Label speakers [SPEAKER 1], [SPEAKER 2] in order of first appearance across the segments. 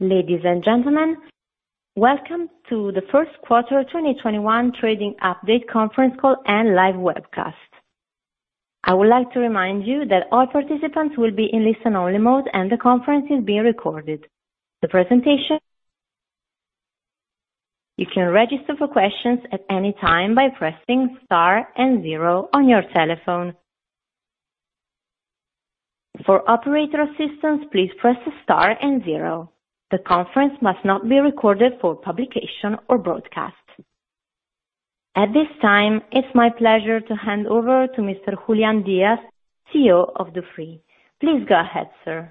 [SPEAKER 1] Ladies and gentlemen, welcome to the first quarter 2021 trading update conference call and live webcast. I would like to remind you that all participants will be in listen-only mode, and the conference is being recorded. You can register for questions at any time by pressing star and zero on your telephone. For operator assistance, please press star and zero. The conference must not be recorded for publication or broadcast. At this time, it's my pleasure to hand over to Mr. Julián Díaz, CEO of Dufry. Please go ahead, sir.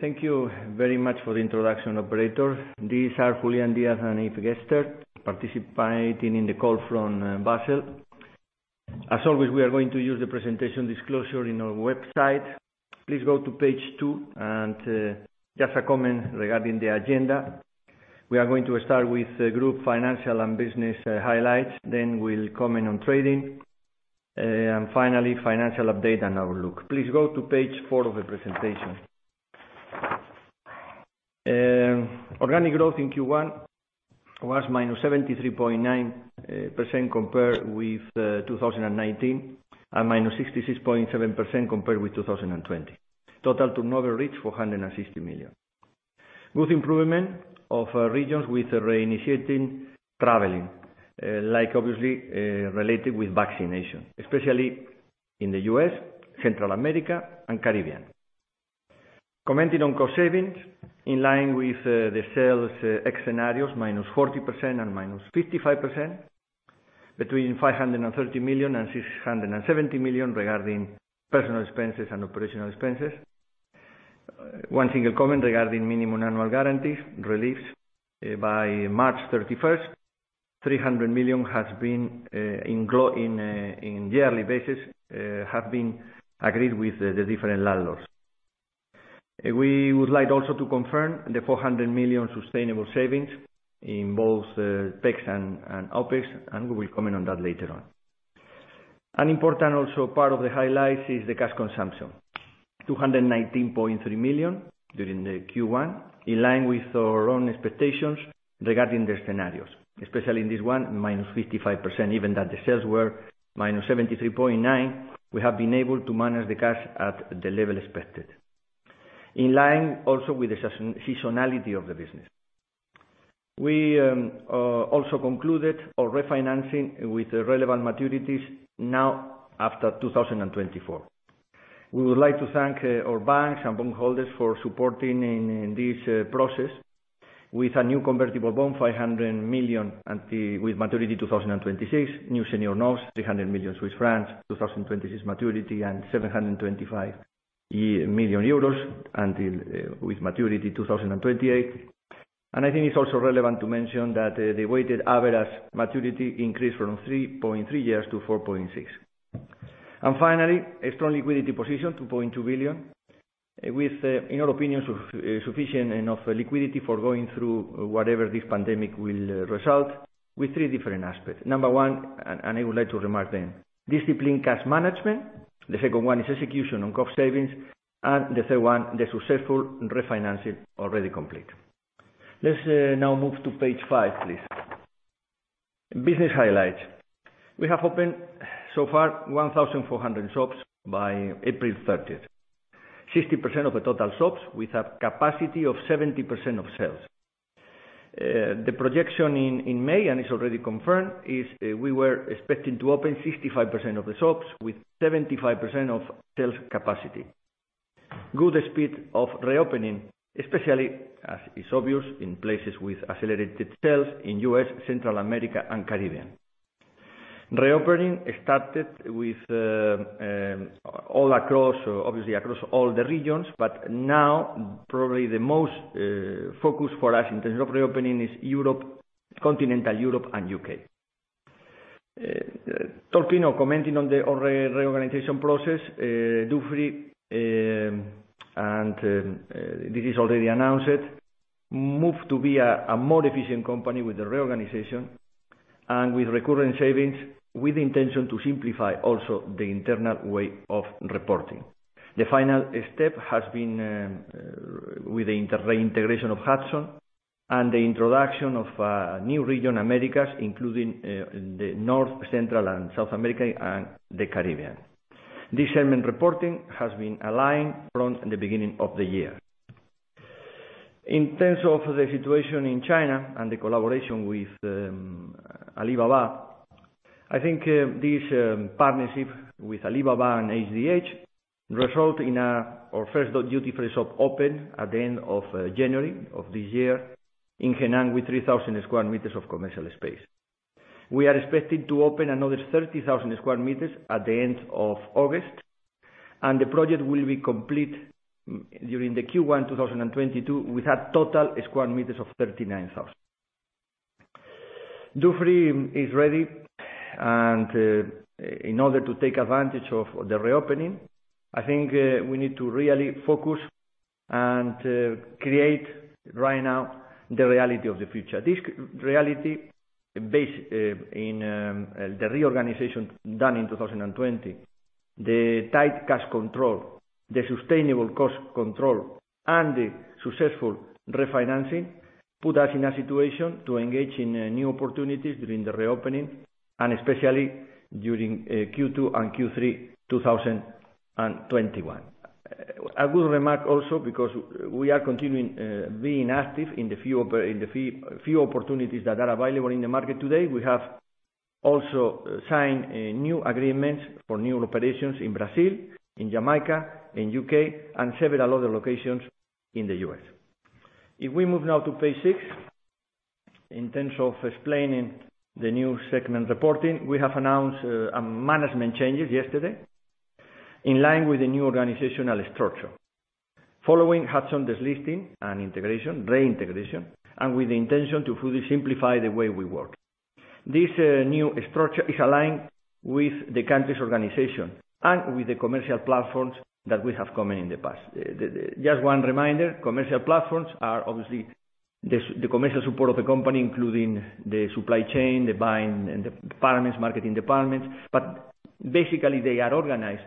[SPEAKER 2] Thank you very much for the introduction, operator. This is Julián Díaz, participating in the call from Basel. As always, we are going to use the presentation disclosure on our website. Please go to page two. Just a comment regarding the agenda. We are going to start with the group financial and business highlights. Then we'll comment on trading. Finally, financial update and outlook. Please go to page four of the presentation. Organic growth in Q1 was -73.9% compared with 2019 and -66.7% compared with 2020. Total turnover reached 460 million. Good improvement of regions with reinitiating traveling, obviously related with vaccination, especially in the U.S., Central America, and the Caribbean. Commenting on cost savings, in line with the sales X scenarios, -40% and -55%, between 530 million and 670 million regarding personal expenses and operational expenses. One single comment regarding minimum annual guarantees released by March 31st, 300 million has been in growth in yearly basis, have been agreed with the different landlords. We would like also to confirm the 400 million sustainable savings in both CapEx and OpEx. We will comment on that later on. An important also part of the highlights is the cash consumption, 219.3 million during the Q1, in line with our own expectations regarding the scenarios, especially in this one, -55%, even that the sales were -73.9%, we have been able to manage the cash at the level expected. In line also with the seasonality of the business. We also concluded our refinancing with the relevant maturities now after 2024. We would like to thank our banks and bond holders for supporting in this process with a new convertible bond, 500 million with maturity 2026, new senior notes, 300 million Swiss francs, 2026 maturity and 725 million euros with maturity 2028. I think it's also relevant to mention that the weighted average maturity increased from 3.3 years to 4.6 years. Finally, a strong liquidity position, 2.2 billion, with, in our opinion, sufficient enough liquidity for going through whatever this pandemic will result with three different aspects. Number one, I would like to remark them, disciplined cash management. The second one is execution on cost savings, the third one, the successful refinancing already completed. Let's now move to page five, please. Business highlights. We have opened so far 1,400 shops by April 30th, 60% of the total shops with a capacity of 70% of sales. The projection in May, and it's already confirmed, is we were expecting to open 65% of the shops with 75% of sales capacity. Good speed of reopening, especially, as is obvious, in places with accelerated sales in U.S., Central America, and Caribbean. Reopening started all across the region but now probably the most focus for us in terms of reopening is continental Europe and U.K. Commenting on the reorganization process, Dufry, and this is already announced, moved to be a more efficient company with the reorganization and with recurrent savings, with intention to simplify also the internal way of reporting. The final step has been with the integration of Hudson and the introduction of a new region, Americas, including the North, Central, and South America, and the Caribbean. This segment reporting has been aligned from the beginning of the year. In terms of the situation in China and the collaboration with Alibaba, I think this partnership with Alibaba and HDH result in our first duty-free shop open at the end of January of this year in Hainan with 3,000 square meter of commercial space. We are expecting to open another 30,000 square meter at the end of August, the project will be complete during the Q1 2022 with a total square meter of 39,000. Dufry is ready, in order to take advantage of the reopening, I think we need to really focus and create right now the reality of the future. This reality based in the reorganization done in 2020. The tight cash control, the sustainable cost control, and the successful refinancing put us in a situation to engage in new opportunities during the reopening, and especially during Q2 and Q3 2021. I will remark also, because we are continuing being active in the few opportunities that are available in the market today, we have also signed new agreements for new operations in Brazil, in Jamaica, in the U.K., and several other locations in the U.S. If we move now to page six, in terms of explaining the new segment reporting, we have announced management changes yesterday in line with the new organizational structure, following Hudson's delisting and re-integration, and with the intention to fully simplify the way we work. This new structure is aligned with the country's organization and with the commercial platforms that we have commented in the past. Just one reminder, commercial platforms are obviously the commercial support of the company, including the supply chain, the buying departments, marketing departments. Basically, they are organized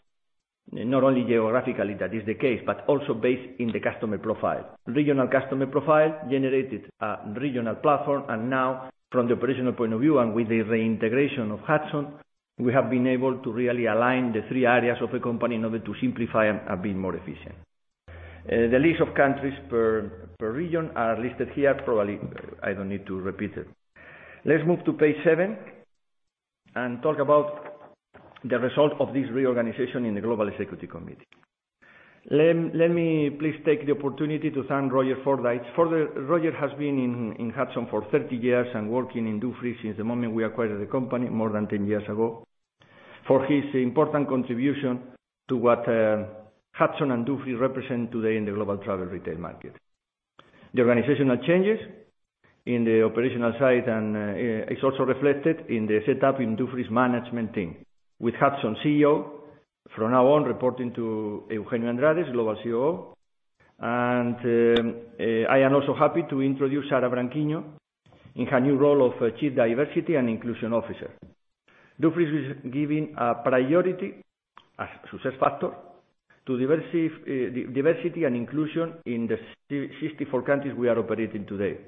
[SPEAKER 2] not only geographically, that is the case, but also based on the customer profile. Regional customer profile generated a regional platform, and now from the operational point of view, and with the reintegration of Hudson, we have been able to really align the three areas of the company in order to simplify and be more efficient. The list of countries per region are listed here. Probably, I don't need to repeat it. Let's move to page seven and talk about the result of this reorganization in the Global Executive Committee. Let me please take the opportunity to thank Roger Fordyce. Roger has been in Hudson for 30 years and working in Dufry since the moment we acquired the company more than 10 years ago, for his important contribution to what Hudson and Dufry represent today in the global travel retail market. The organizational changes in the operational side and is also reflected in the set up in Dufry's management team, with Hudson CEO from now on reporting to Eugenio Andrades, Global COO. I am also happy to introduce Sarah Branquinho in her new role of Chief Diversity and Inclusion Officer. Dufry is giving a priority as success factor to diversity and inclusion in the 64 countries we are operating today.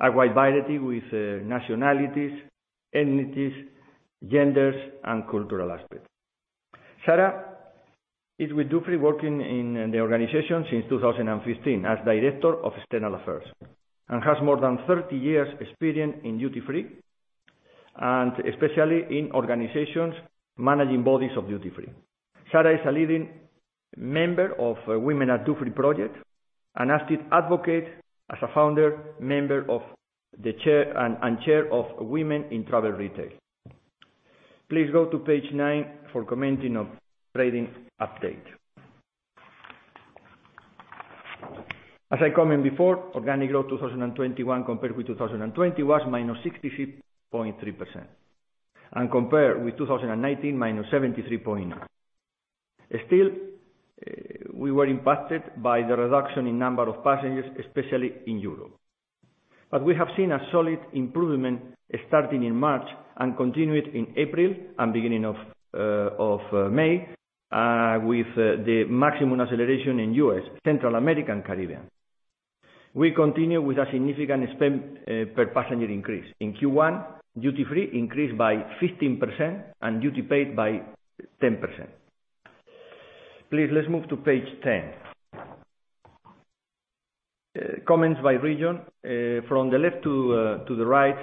[SPEAKER 2] A wide variety with nationalities, ethnicities, genders, and cultural aspects. Sarah is with Dufry, working in the organization since 2015 as Director of External Affairs and has more than 30 years experience in duty-free and especially in organizations managing bodies of duty-free. Sarah is a leading member of Women at Dufry project and active advocate as a founder, member, and chair of Women in Travel Retail. Please go to page nine for commenting operating update. As I commented before, organic growth 2021 compared with 2020 was -63.3% and compared with 2019, -73.9%. We were impacted by the reduction in number of passengers, especially in Europe. We have seen a solid improvement starting in March and continued in April and beginning of May, with the maximum acceleration in U.S., Central America, and Caribbean. We continue with a significant spend per passenger increase. In Q1, duty-free increased by 15% and duty paid by 10%. Please, let's move to page 10. Comments by region, from the left to the right.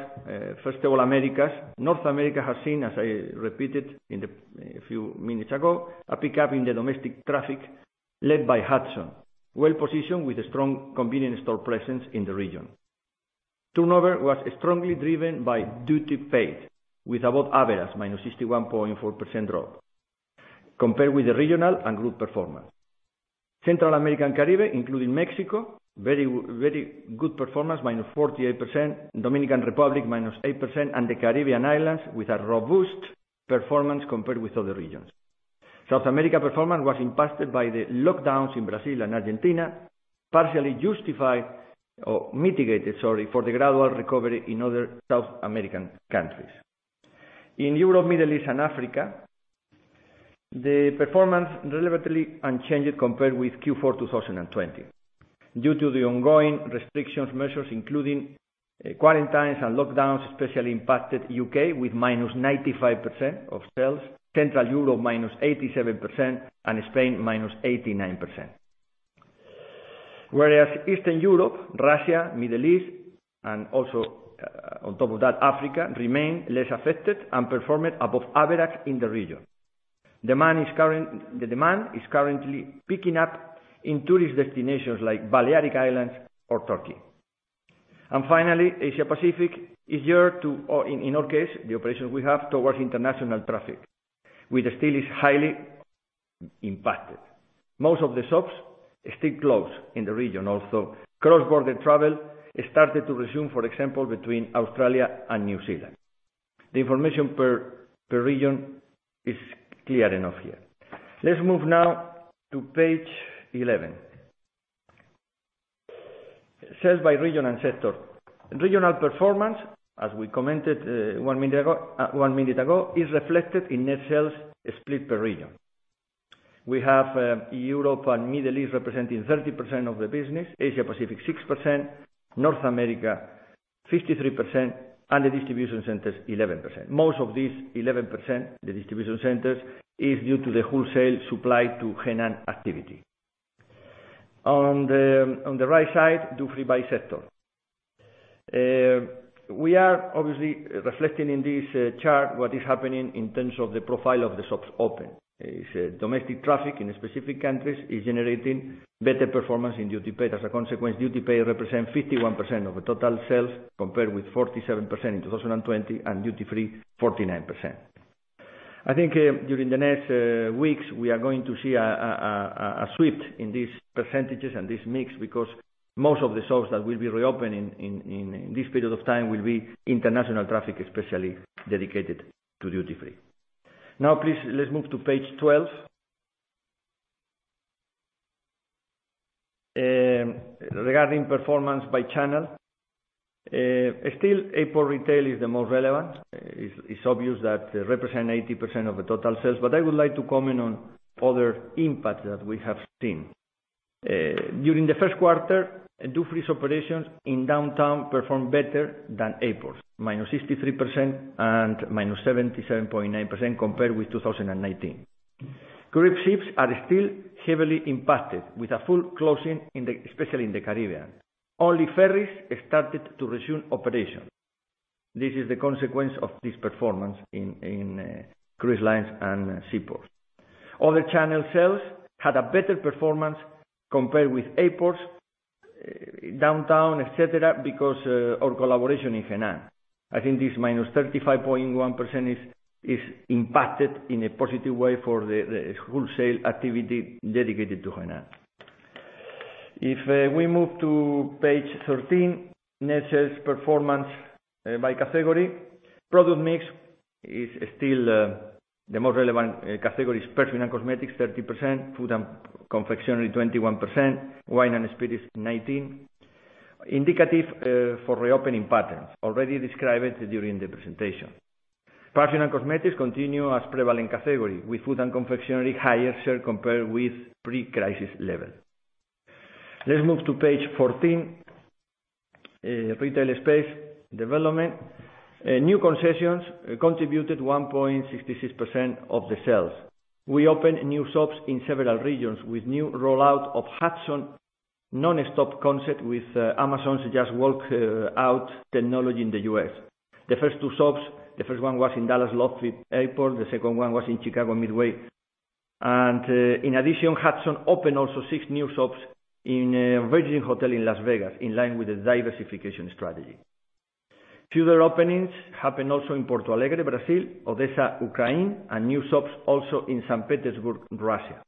[SPEAKER 2] First of all, Americas. North America has seen, as I repeated a few minutes ago, a pickup in the domestic traffic led by Hudson, well-positioned with a strong convenience store presence in the region. Turnover was strongly driven by duty paid with above average, -61.4% drop compared with the regional and group performance. Central America and Caribbean, including Mexico, very good performance, -48%. Dominican Republic, -8%, and the Caribbean islands with a robust performance compared with other regions. South America performance was impacted by the lockdowns in Brazil and Argentina, partially mitigated for the gradual recovery in other South American countries. In Europe, Middle East, and Africa, the performance relatively unchanged compared with Q4 2020 due to the ongoing restrictions measures, including quarantines and lockdowns, especially impacted U.K. with -95% of sales, Central Europe, -87%, and Spain, -89%. Whereas Eastern Europe, Russia, Middle East, and also on top of that, Africa remained less affected and performed above average in the region. The demand is currently picking up in tourist destinations like Balearic Islands or Turkey. Finally, Asia Pacific is geared, in our case, the operations we have, towards international traffic, which still is highly impacted. Most of the shops still closed in the region, although cross-border travel started to resume, for example, between Australia and New Zealand. The information per region is clear enough here. Let's move now to page 11. Sales by region and sector. Regional performance, as we commented one minute ago, is reflected in net sales split per region. We have Europe and Middle East representing 30% of the business, Asia Pacific 6%, North America 53%, and the distribution centers 11%. Most of this 11%, the distribution centers, is due to the wholesale supply to Hainan activity. On the right side, duty free by sector. We are obviously reflecting in this chart what is happening in terms of the profile of the shops open. Domestic traffic in specific countries is generating better performance in duty paid. As a consequence, duty paid represents 51% of the total sales, compared with 47% in 2020 and duty free 49%. I think during the next weeks, we are going to see a switch in these percentages and this mix, because most of the shops that will be reopening in this period of time will be international traffic, especially dedicated to duty free. Please, let's move to page 12. Regarding performance by channel, still airport retail is the most relevant. It's obvious that represent 80% of the total sales, I would like to comment on other impacts that we have seen. During the first quarter, duty free operations in Downtown performed better than airports, -63% and -77.9% compared with 2019. Cruise ships are still heavily impacted with a full closing especially in the Caribbean. Only ferries started to resume operations. This is the consequence of this performance in cruise lines and seaports. Other channel sales had a better performance compared with airports, downtown, et cetera, because our collaboration in Hainan. I think this -35.1% is impacted in a positive way for the wholesale activity dedicated to Hainan. If we move to page 13, net sales performance by category. Product mix is still the most relevant category is perfume and cosmetics, 30%, food and confectionery 21%, wine and spirit is 19%, indicative for reopening patterns already described during the presentation. Perfume and cosmetics continue as prevalent category with food and confectionery higher share compared with pre-crisis level. Let's move to page 14, retail space development. New concessions contributed 1.66% of the sales. We opened new shops in several regions with new rollout of Hudson Nonstop concept with Amazon's Just Walk Out technology in the U.S. The first two shops, the first one was in Dallas Love Field Airport, the second one was in Chicago Midway. In addition, Hudson opened also six new shops in Virgin Hotel in Las Vegas, in line with the diversification strategy. Further openings happened also in Porto Alegre, Brazil, Odessa, Ukraine, and new shops also in St. Petersburg, Russia.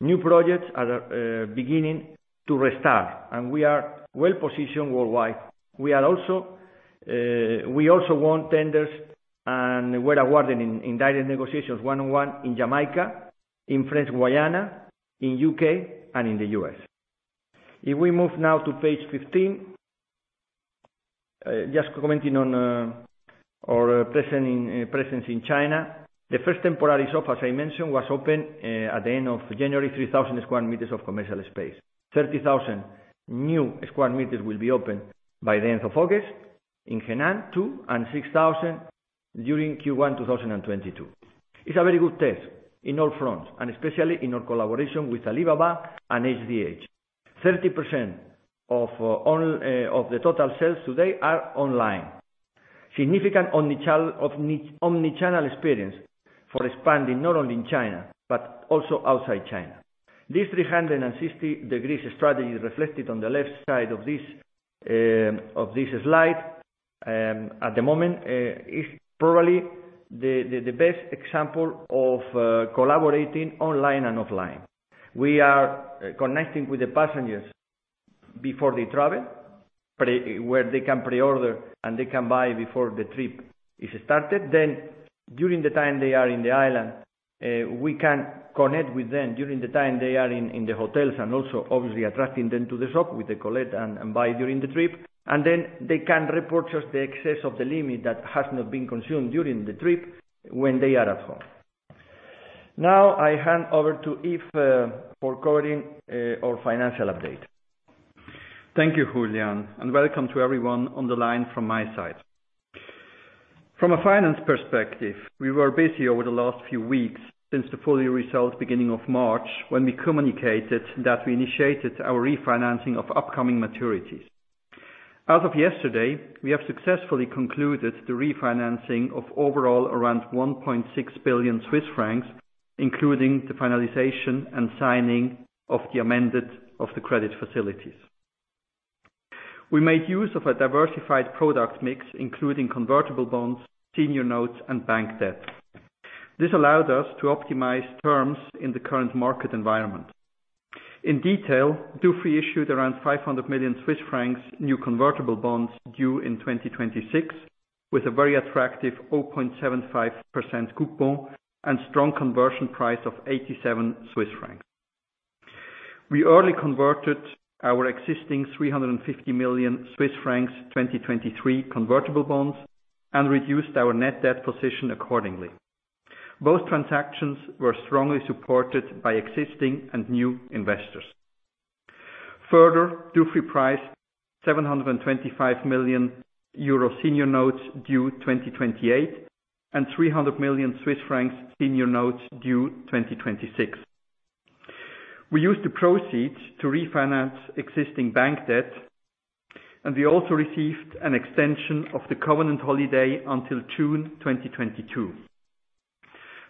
[SPEAKER 2] New projects are beginning to restart, we are well positioned worldwide. We also won tenders and were awarded in direct negotiations one on one in Jamaica, in French Guiana, in U.K., and in the U.S. If we move now to page 15, just commenting on our presence in China. The first temporary shop, as I mentioned, was opened at the end of January, 3,000 square meters of commercial space. 30,000 new square meters will be opened by the end of August in Hainan, two and 6,000 during Q1 2022. It's a very good test in all fronts and especially in our collaboration with Alibaba and HDH. 30% of the total sales today are online. Significant omni-channel experience for expanding not only in China but also outside China. This 360 degrees strategy reflected on the left side of this slide at the moment is probably the best example of collaborating online and offline. We are connecting with the passengers before they travel, where they can pre-order and they can buy before the trip is started. During the time they are in the island, we can connect with them during the time they are in the hotels and also obviously attracting them to the shop with the collect and buy during the trip, and then they can repurchase the excess of the limit that has not been consumed during the trip when they are at home. Now I hand over to Yves for covering our financial update.
[SPEAKER 3] Thank you, Julián, and welcome to everyone on the line from my side. From a finance perspective, we were busy over the last few weeks since the full year results beginning of March when we communicated that we initiated our refinancing of upcoming maturities. As of yesterday, we have successfully concluded the refinancing of overall around 1.6 billion Swiss francs, including the finalization and signing of the amendment of the credit facilities. We made use of a diversified product mix including convertible bonds, senior notes, and bank debt. This allowed us to optimize terms in the current market environment. In detail, Dufry issued around 500 million Swiss francs new convertible bonds due in 2026 with a very attractive 0.75% coupon and strong conversion price of 87 Swiss francs. We already converted our existing 350 million Swiss francs 2023 convertible bonds and reduced our net debt position accordingly. Both transactions were strongly supported by existing and new investors. Dufry priced 725 million euro senior notes due 2028 and 300 million Swiss francs senior notes due 2026. We used the proceeds to refinance existing bank debt, and we also received an extension of the covenant holiday until June 2022.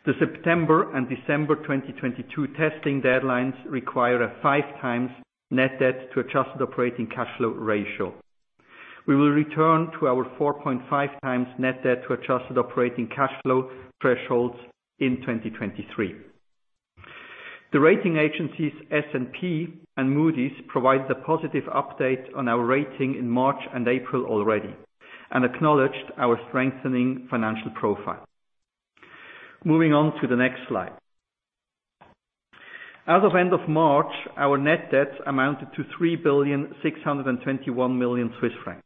[SPEAKER 3] The September and December 2022 testing deadlines require a 5x net debt to adjusted operating cash flow ratio. We will return to our 4.5x net debt to adjusted operating cash flow thresholds in 2023. The rating agencies S&P and Moody's provided a positive update on our rating in March and April already and acknowledged our strengthening financial profile. Moving on to the next slide. As of end of March, our net debt amounted to 3,621,000,000 Swiss francs.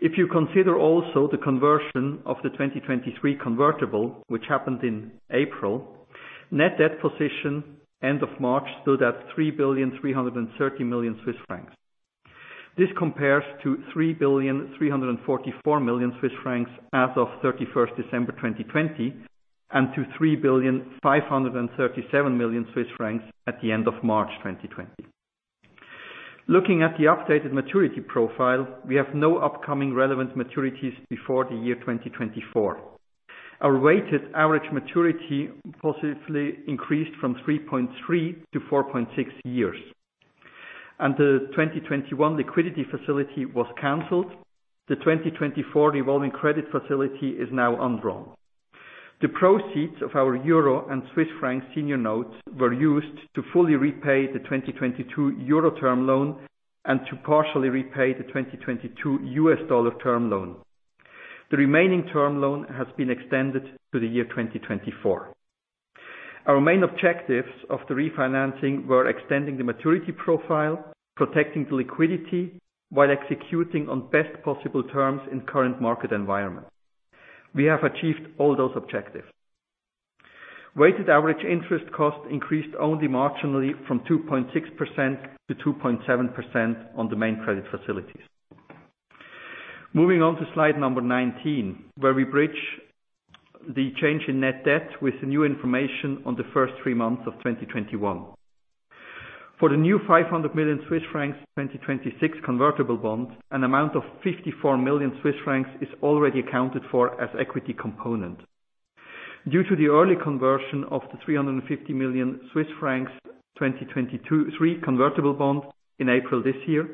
[SPEAKER 3] If you consider also the conversion of the 2023 convertible, which happened in April, net debt position end of March stood at 3,330,000,000 Swiss francs. This compares to 3,344,000,000 Swiss francs as of 31st December 2020 and to 3,537,000,000 Swiss francs at the end of March 2020. Looking at the updated maturity profile, we have no upcoming relevant maturities before the year 2024. Our weighted average maturity positively increased from 3.3 to 4.6 years. The 2021 liquidity facility was canceled. The 2024 revolving credit facility is now undrawn. The proceeds of our euro and Swiss francs senior notes were used to fully repay the 2022 euro term loan and to partially repay the 2022 U.S. dollar term loan. The remaining term loan has been extended to the year 2024. Our main objectives of the refinancing were extending the maturity profile, protecting liquidity while executing on best possible terms in current market environment. We have achieved all those objectives. Weighted average interest cost increased only marginally from 2.6%-2.7% on the main credit facilities. Moving on to slide number 19, where we bridge the change in net debt with the new information on the first three months of 2021. For the new 500 million Swiss francs 2026 convertible bonds, an amount of 54 million Swiss francs is already accounted for as equity component. Due to the early conversion of the 350 million Swiss francs 2023 convertible bonds in April this year,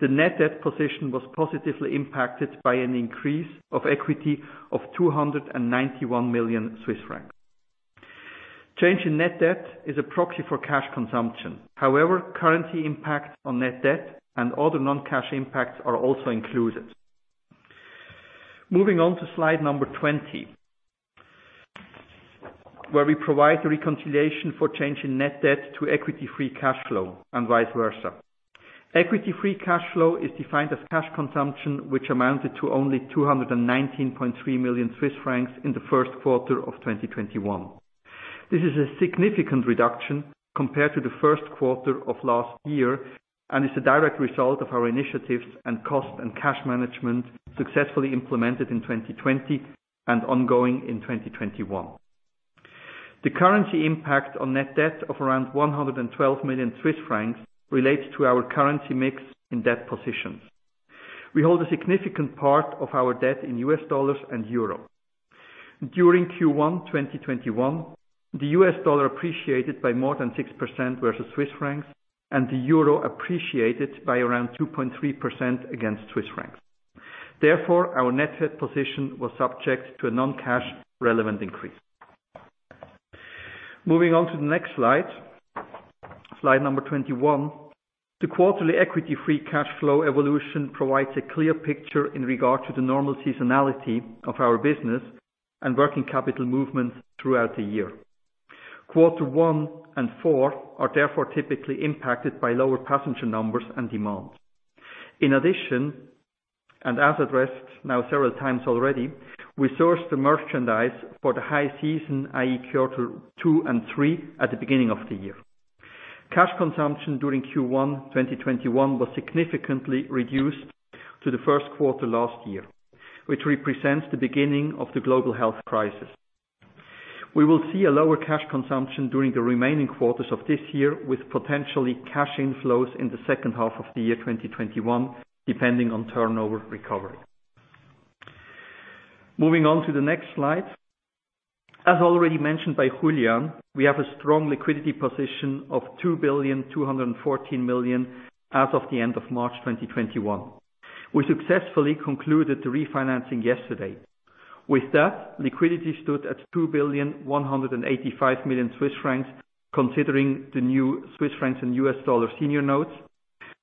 [SPEAKER 3] the net debt position was positively impacted by an increase of equity of 291 million Swiss francs. Change in net debt is a proxy for cash consumption. However, currency impact on net debt and other non-cash impacts are also included. Moving on to slide number 20, where we provide the reconciliation for change in net debt to Equity Free Cash Flow and vice versa. Equity Free Cash Flow is defined as cash consumption, which amounted to only 219.3 million Swiss francs in the first quarter of 2021. This is a significant reduction compared to the first quarter of last year and is a direct result of our initiatives and cost and cash management successfully implemented in 2020 and ongoing in 2021. The currency impact on net debt of around 112 million Swiss francs relates to our currency mix in debt positions. We hold a significant part of our debt in U.S. dollars and euro. During Q1 2021, the U.S. dollar appreciated by more than 6% versus Swiss francs, and the euro appreciated by around 2.3% against Swiss francs. Therefore, our net debt position was subject to a non-cash relevant increase. Moving on to the next slide number 21. The quarterly Equity Free Cash Flow evolution provides a clear picture in regard to the normal seasonality of our business and working capital movement throughout the year. Quarter one and four are therefore typically impacted by lower passenger numbers and demand. In addition, and as addressed now several times already, we source the merchandise for the high season, i.e. quarter two and three at the beginning of the year. Cash consumption during Q1 2021 was significantly reduced to the first quarter last year, which represents the beginning of the global health crisis. We will see a lower cash consumption during the remaining quarters of this year, with potentially cash inflows in the second half of the year 2021, depending on turnover recovery. Moving on to the next slide. As already mentioned by Julián, we have a strong liquidity position of 2,214,000,000 as of the end of March 2021. We successfully concluded the refinancing yesterday. With that, liquidity stood at 2,185,000,000 Swiss francs, considering the new Swiss francs and U.S. dollar senior notes.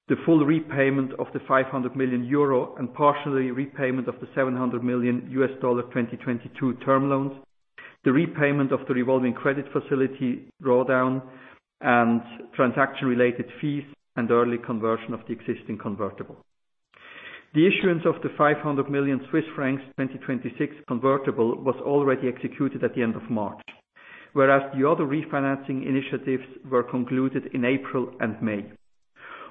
[SPEAKER 3] The full repayment of the 500 million euro and partial repayment of the $700 million 2022 term loans, the repayment of the revolving credit facility drawdown, and transaction-related fees and early conversion of the existing convertible. The issuance of the 500 million Swiss francs 2026 convertible was already executed at the end of March, whereas the other refinancing initiatives were concluded in April and May.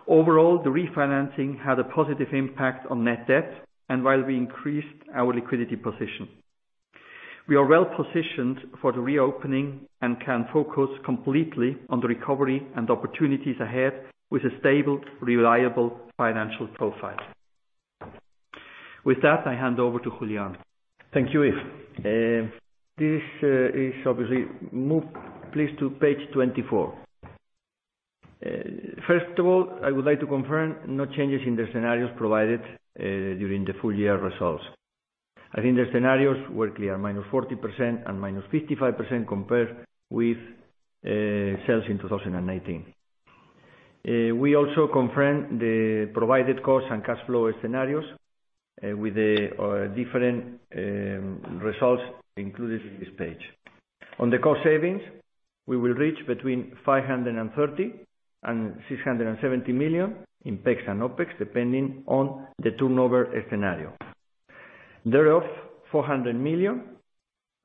[SPEAKER 3] Overall, the refinancing had a positive impact on net debt, and while we increased our liquidity position. We are well-positioned for the reopening and can focus completely on the recovery and opportunities ahead with a stable, reliable financial profile. With that, I hand over to Julián.
[SPEAKER 2] Thank you, Yves. Please move to page 24. First of all, I would like to confirm no changes in the scenarios provided during the full-year results. I think the scenarios were clear, -40% and -55% compared with sales in 2019. We also confirm the provided cost and cash flow scenarios with the different results included in this page. On the cost savings, we will reach between 530 million and 670 million in CapEx and OpEx, depending on the turnover scenario. Thereof, 400 million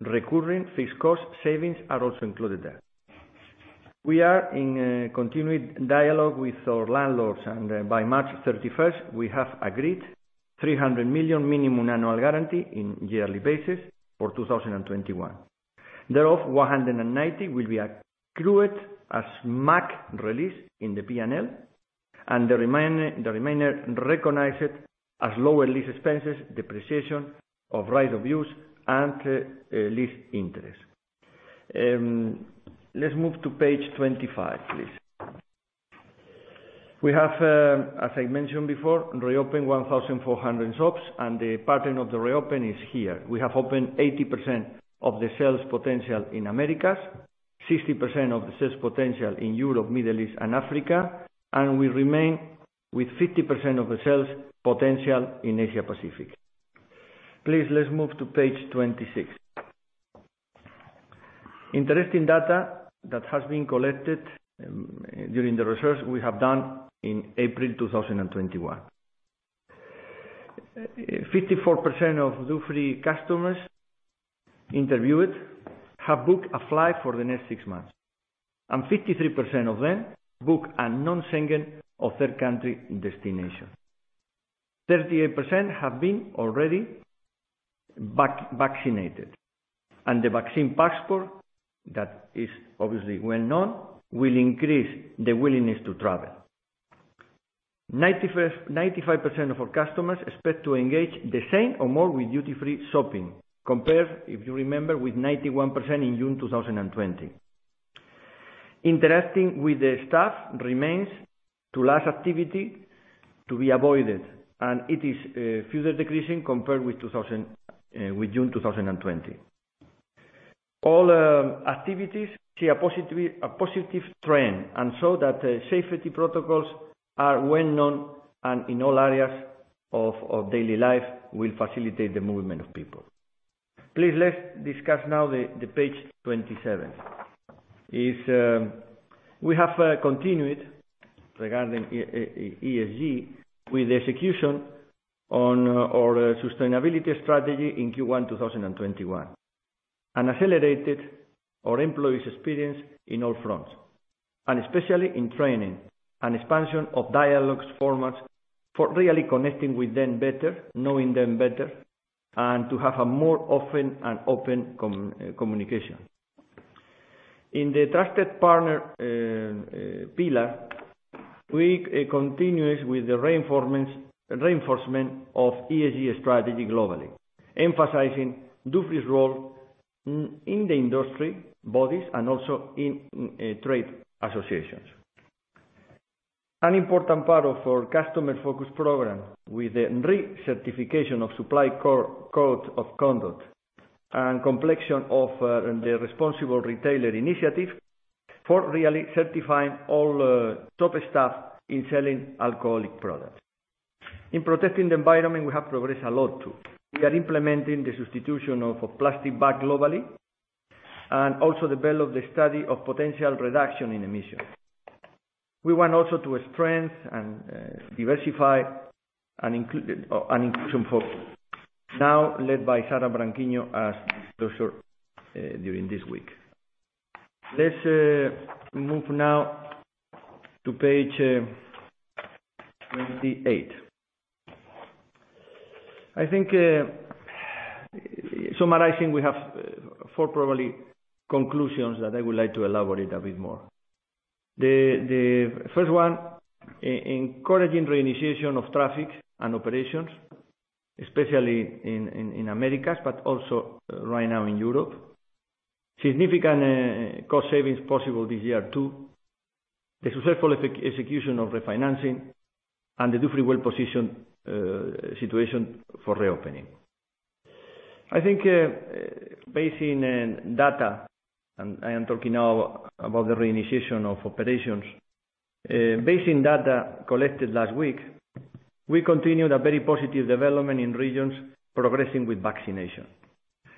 [SPEAKER 2] recurring fixed cost savings are also included there. We are in a continued dialogue with our landlords. By March 31st, we have agreed 300 million minimum annual guarantee on a yearly basis for 2021. Thereof, 190 million will be accrued as MAG release in the P&L, and the remainder recognized as lower lease expenses, depreciation of right-of-use, and lease interest. Let's move to page 25, please. We have, as I mentioned before, reopened 1,400 shops, and the pattern of the reopen is here. We have opened 80% of the sales potential in Americas, 60% of the sales potential in Europe, Middle East, and Africa, and we remain with 50% of the sales potential in Asia Pacific. Please, let's move to page 26. Interesting data that has been collected during the research we have done in April 2021. 54% of Dufry customers interviewed have booked a flight for the next six months, and 53% of them book a non-Schengen or third-country destination. 38% have been already vaccinated, and the vaccine passport, that is obviously well-known, will increase the willingness to travel. 95% of our customers expect to engage the same or more with duty-free shopping, compared, if you remember, with 91% in June 2020. Interacting with the staff remains the last activity to be avoided, and it is further decreasing compared with June 2020. All activities see a positive trend, and so that safety protocols are well-known and in all areas of our daily life will facilitate the movement of people. Please, let's discuss now page 27. We have continued regarding ESG with the execution on our sustainability strategy in Q1 2021 and accelerated our employees experience in all fronts, and especially in training and expansion of dialogue formats for really connecting with them better, knowing them better, and to have a more often and open communication. In the trusted partner pillar, we continued with the reinforcement of ESG strategy globally, emphasizing Dufry's role in the industry bodies and also in trade associations. An important part of our customer-focused program, with the re-certification of Supply Code of Conduct and completion of the Responsible Retailer Initiative for really certifying all top staff in selling alcoholic products. In protecting the environment, we have progressed a lot, too. We are implementing the substitution of a plastic bag globally and also develop the study of potential reduction in emissions. We want also to strengthen and diversify and inclusion focus, now led by Sarah Branquinho, as disclosed during this week. Let's move now to page 28. Summarizing, we have four probably conclusions that I would like to elaborate a bit more. The first one, encouraging reinitiation of traffic and operations, especially in Americas, but also right now in Europe. Significant cost savings possible this year, too. The successful execution of refinancing and the Dufry well-positioned situation for reopening. I think basing data, and I am talking now about the reinitiation of operations. Basing data collected last week, we continued a very positive development in regions progressing with vaccination.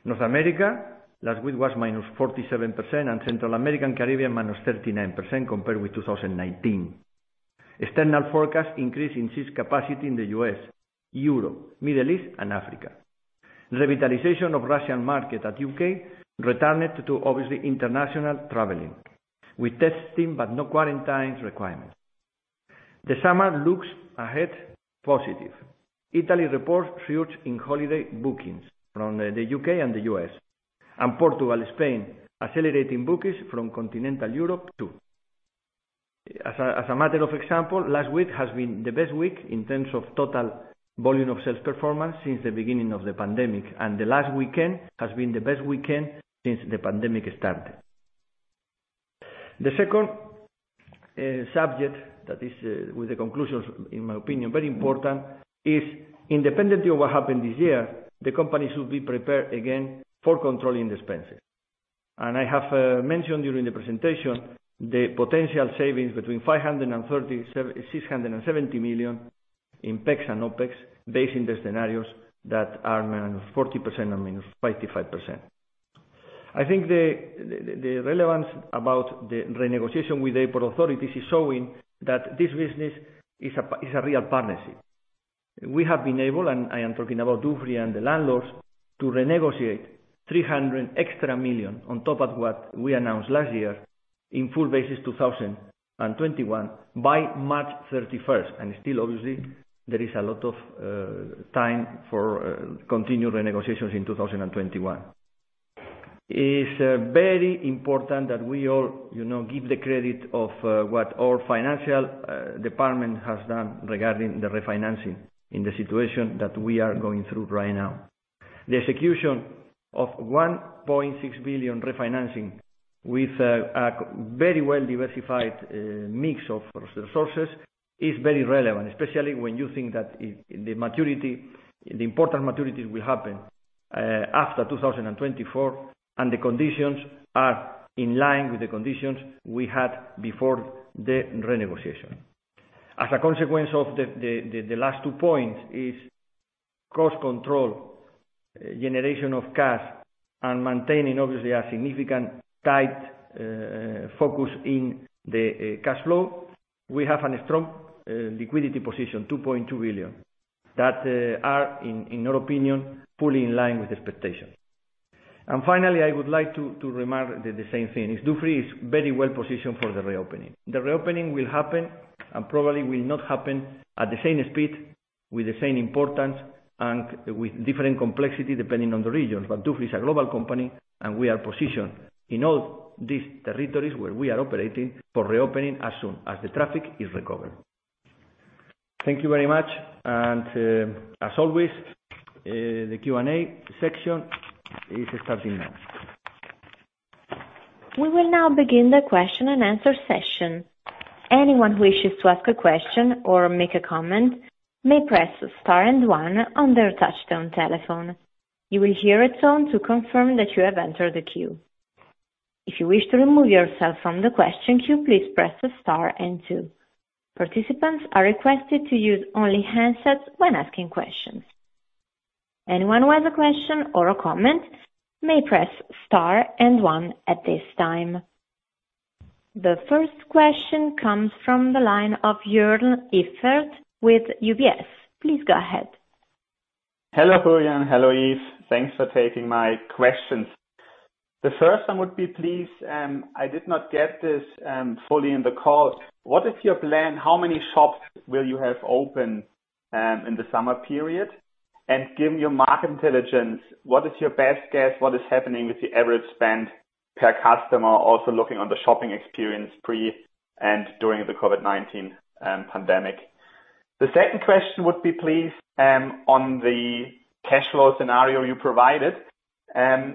[SPEAKER 2] North America last week was -47% and Central American Caribbean -39% compared with 2019. External forecast increase in seat capacity in the U.S., Europe, Middle East and Africa. Revitalization of Russian market at U.K. returned to obviously international traveling, with testing, but no quarantines requirements. The summer looks ahead positive. Italy reports surge in holiday bookings from the U.K. and the U.S., and Portugal, Spain accelerating bookings from continental Europe too. As a matter of example, last week has been the best week in terms of total volume of sales performance since the beginning of the pandemic, and the last weekend has been the best weekend since the pandemic started. The second subject that is with the conclusions, in my opinion, very important is independently of what happened this year, the company should be prepared again for controlling expenses. I have mentioned during the presentation the potential savings between 530 million, 670 million in OpEx and CapEx based in the scenarios that are -40% and -55%. I think the relevance about the renegotiation with the airport authorities is showing that this business is a real partnership. We have been able, and I am talking about Dufry and the landlords, to renegotiate 300 million on top of what we announced last year in full basis 2021 by March 31st. Still obviously there is a lot of time for continued renegotiations in 2021. It's very important that we all give the credit of what our financial department has done regarding the refinancing in the situation that we are going through right now. The execution of 1.6 billion refinancing with a very well diversified mix of resources is very relevant, especially when you think that the important maturities will happen after 2024 and the conditions are in line with the conditions we had before the renegotiation. As a consequence of the last two points is cost control, generation of cash, and maintaining obviously a significant tight focus in the cash flow. We have a strong liquidity position, 2.2 billion, that are, in our opinion, fully in line with expectations. Finally, I would like to remark the same thing, Dufry is very well positioned for the reopening. The reopening will happen and probably will not happen at the same speed with the same importance and with different complexity depending on the regions. Dufry is a global company, and we are positioned in all these territories where we are operating for reopening as soon as the traffic is recovered. Thank you very much and as always, the Q&A section is starting now.
[SPEAKER 1] We will now begin the question and answer session. Anyone who wishes to ask a question or make a comment may press star and one on their touchtone telephone. You will hear a tone to confirm that you have entered the queue. If you wish to remove yourself from the question queue, please press star and two. Participants are requested to use only handsets when asking questions. Anyone who has a question or a comment may press star and one at this time. The first question comes from the line of Joern Iffert with UBS. Please go ahead.
[SPEAKER 4] Hello, Julián. Hello, Yves. Thanks for taking my questions. The first one would be, please, I did not get this fully in the call. What is your plan? How many shops will you have open in the summer period? Given your market intelligence, what is your best guess what is happening with your average spend per customer, also looking on the shopping experience pre and during the COVID-19 pandemic? The second question would be, please, on the cash flow scenario you provided.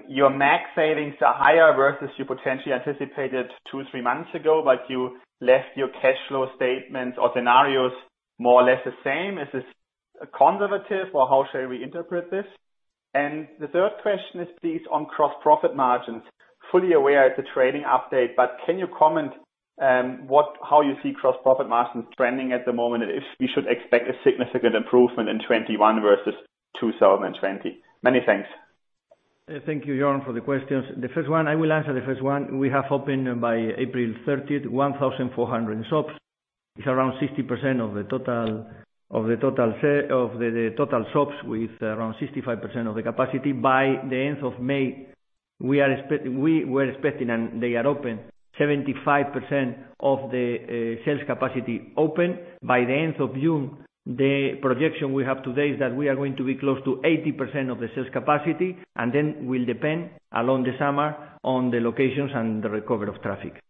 [SPEAKER 4] Your max savings are higher versus you potentially anticipated two, three months ago, but you left your cash flow statement or scenarios more or less the same. Is this conservative, or how shall we interpret this? The third question is, please, on gross profit margins. Fully aware at the trading update, can you comment how you see gross profit margins trending at the moment, if we should expect a significant improvement in 2021 versus 2020? Many thanks.
[SPEAKER 2] Thank you, Joern, for the questions. The first one, I will answer the first one. We have opened by April 30th, 1,400 shops. It's around 60% of the total shops with around 65% of the capacity. By the end of May, we're expecting, and they are open, 75% of the sales capacity open. By the end of June, the projection we have today is that we are going to be close to 80% of the sales capacity, and then will depend along the summer on the locations and the recovery of traffic.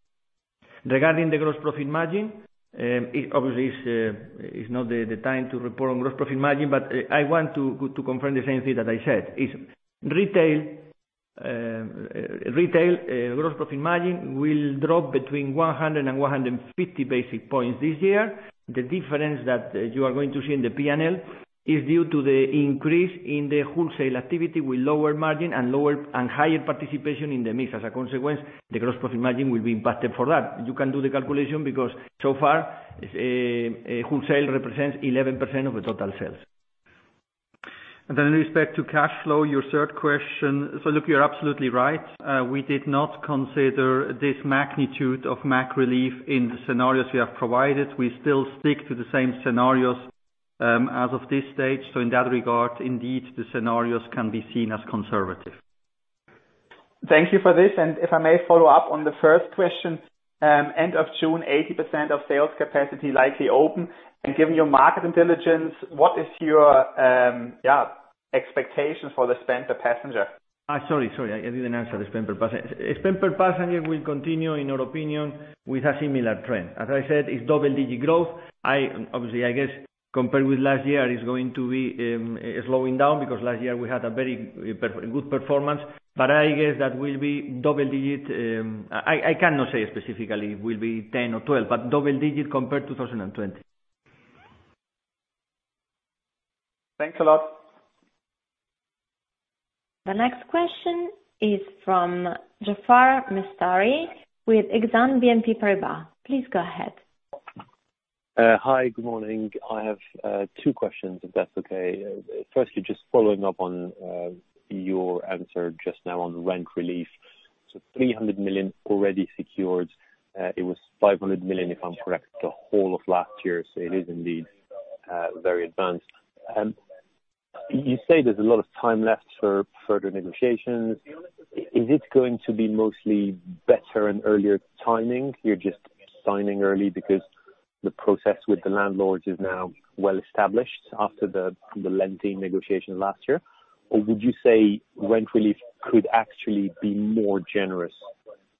[SPEAKER 2] Regarding the gross profit margin, obviously it's not the time to report on gross profit margin, but I want to confirm the same thing that I said. If retail gross profit margin will drop between 100 and 150 basic points this year. The difference that you are going to see in the P&L is due to the increase in the wholesale activity with lower margin and higher participation in the mix. As a consequence, the gross profit margin will be impacted for that. You can do the calculation because so far, wholesale represents 11% of the total sales.
[SPEAKER 3] With respect to cash flow, your third question. Look, you're absolutely right. We did not consider this magnitude of MAG relief in the scenarios we have provided. We still stick to the same scenarios out of this stage. In that regard, indeed, the scenarios can be seen as conservative.
[SPEAKER 4] Thank you for this. If I may follow up on the first question, end of June, 80% of sales capacity likely open. Given your market intelligence, what is your expectation for the spend per passenger?
[SPEAKER 2] Sorry, I didn't answer the spend per passenger. Spend per passenger will continue, in our opinion, with a similar trend. As I said, it's double-digit growth. Obviously, I guess compared with last year, it's going to be slowing down because last year we had a very good performance. I guess that will be double digits. I cannot say specifically it will be 10 or 12, but double digits compared to 2020.
[SPEAKER 4] Thanks a lot.
[SPEAKER 1] The next question is from Jaafar Mestari with Exane BNP Paribas. Please go ahead.
[SPEAKER 5] Hi, good morning. I have two questions, if that's okay. Firstly, just following up on your answer just now on rent relief. 300 million already secured. It was 500 million, if I'm correct, the whole of last year. It is indeed very advanced. You say there's a lot of time left for further negotiations. Is it going to be mostly better and earlier timing? You're just signing early because the process with the landlords is now well established after the lengthy negotiations last year? Would you say rent relief could actually be more generous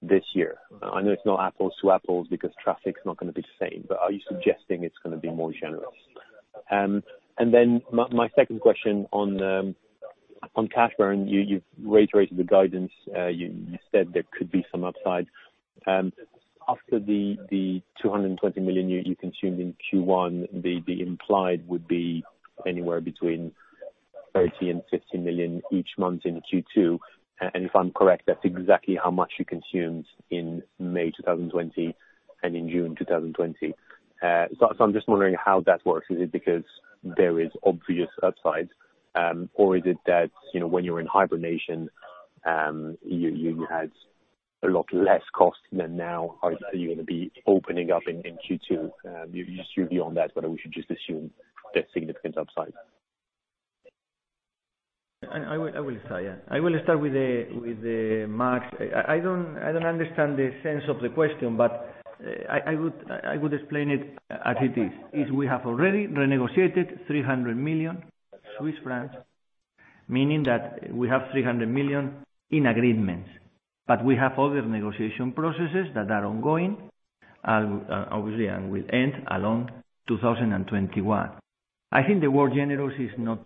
[SPEAKER 5] this year? I know it's not apples to apples because traffic is not going to be the same, but are you suggesting it's going to be more generous? My second question on cash burn, you've reiterated the guidance. You said there could be some upside. After the 220 million you consumed in Q1, the implied would be anywhere between 30 million and 50 million each month in Q2. If I'm correct, that's exactly how much you consumed in May 2020 and in June 2020. I'm just wondering how that works. Is it because there is obvious upside? Is it that when you're in hibernation, you had a lot less cost than now as you're going to be opening up in Q2? You've issued beyond that, but we should just assume a significant upside.
[SPEAKER 2] I will start with MAGs. I don't understand the sense of the question. I would explain it as it is. We have already renegotiated 300 million Swiss francs, meaning that we have 300 million in agreements. We have other negotiation processes that are ongoing, obviously, and will end along 2021. I think the word generous is not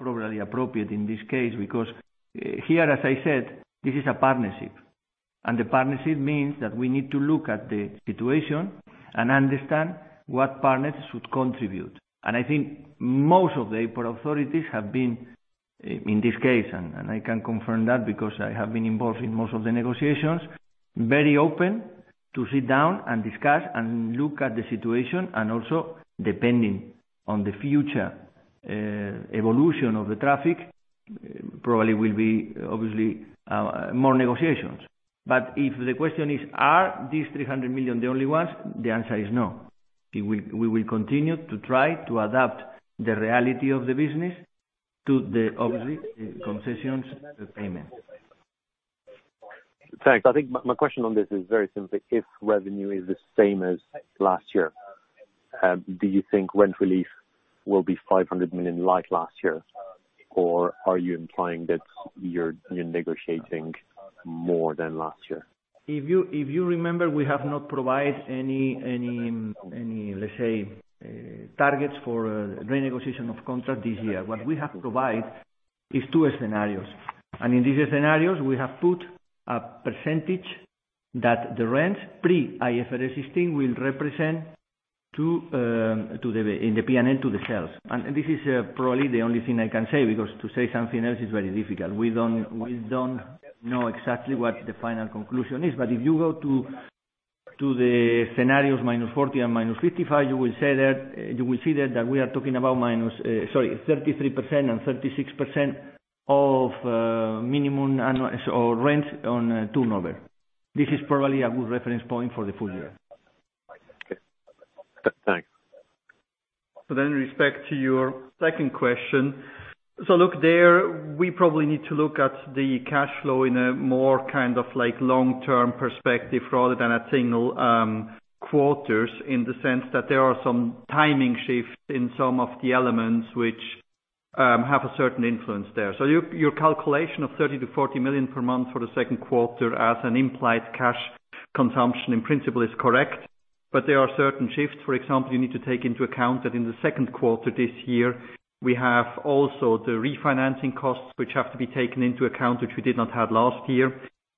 [SPEAKER 2] probably appropriate in this case, because here, as I said, this is a partnership. The partnership means that we need to look at the situation and understand what partners should contribute. I think most of the airport authorities have been, in this case, and I can confirm that because I have been involved in most of the negotiations, very open to sit down and discuss and look at the situation, and also depending on the future evolution of the traffic, probably will be obviously more negotiations. If the question is, are these 300 million the only ones? The answer is no. We will continue to try to adapt the reality of the business to the obvious concessions payments.
[SPEAKER 5] Sorry, I think my question on this is very simply, if revenue is the same as last year, do you think rent release will be 500 million like last year? Are you implying that you're negotiating more than last year?
[SPEAKER 2] If you remember, we have not provided any, let's say, targets for renegotiation of contract this year. What we have provided is two scenarios. In these scenarios, we have put a percentage that the rent pre IFRS 16 will represent in the P&L to the sales. This is probably the only thing I can say, because to say something else is very difficult. We don't know exactly what the final conclusion is. If you go to the scenarios -40 and -55, you will see that we are talking about minus, sorry, 33% and 36% of minimum rent on turnover. This is probably a good reference point for the full year.
[SPEAKER 5] Thanks.
[SPEAKER 3] With respect to your second question. Look, there, we probably need to look at the cash flow in a more long-term perspective rather than a single quarter, in the sense that there are some timing shifts in some of the elements which have a certain influence there. Your calculation of 30 million-40 million per month for the second quarter as an implied cash consumption in principle is correct. There are certain shifts. For example, you need to take into account that in the second quarter this year, we have also the refinancing costs, which have to be taken into account, which we did not have last year.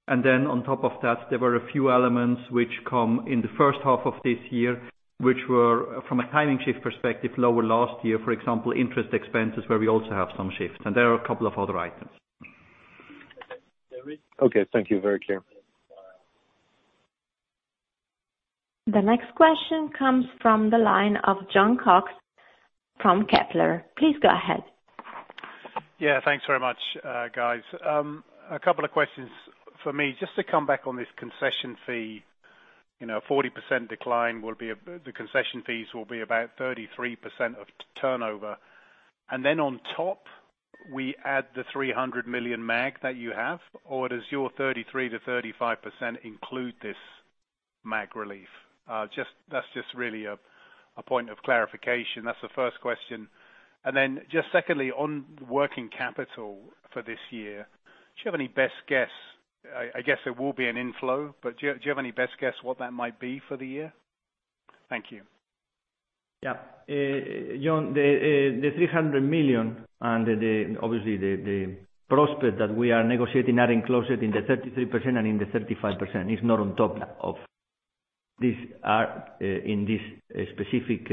[SPEAKER 3] On top of that, there were a few elements which come in the first half of this year, which were, from a timing shift perspective, lower last year, for example, interest expenses, where we also have some shifts. There are a couple of other items.
[SPEAKER 5] Okay. Thank you very clear.
[SPEAKER 1] The next question comes from the line of Jon Cox from Kepler. Please go ahead.
[SPEAKER 6] Thanks very much, guys. A couple of questions for me. Just to come back on this concession fee, 40% decline, the concession fees will be about 33% of turnover. On top, we add the 300 million MAG that you have? Does your 33%-35% include this MAG relief? That's just really a point of clarification. That's the first question. Secondly, on working capital for this year, do you have any best guess? I guess it will be an inflow, do you have any best guess what that might be for the year? Thank you.
[SPEAKER 2] Yeah. Jon, the 300 million and obviously the prospect that we are negotiating are enclosed in the 33% and in the 35%. It's not on top of. These are, in these specific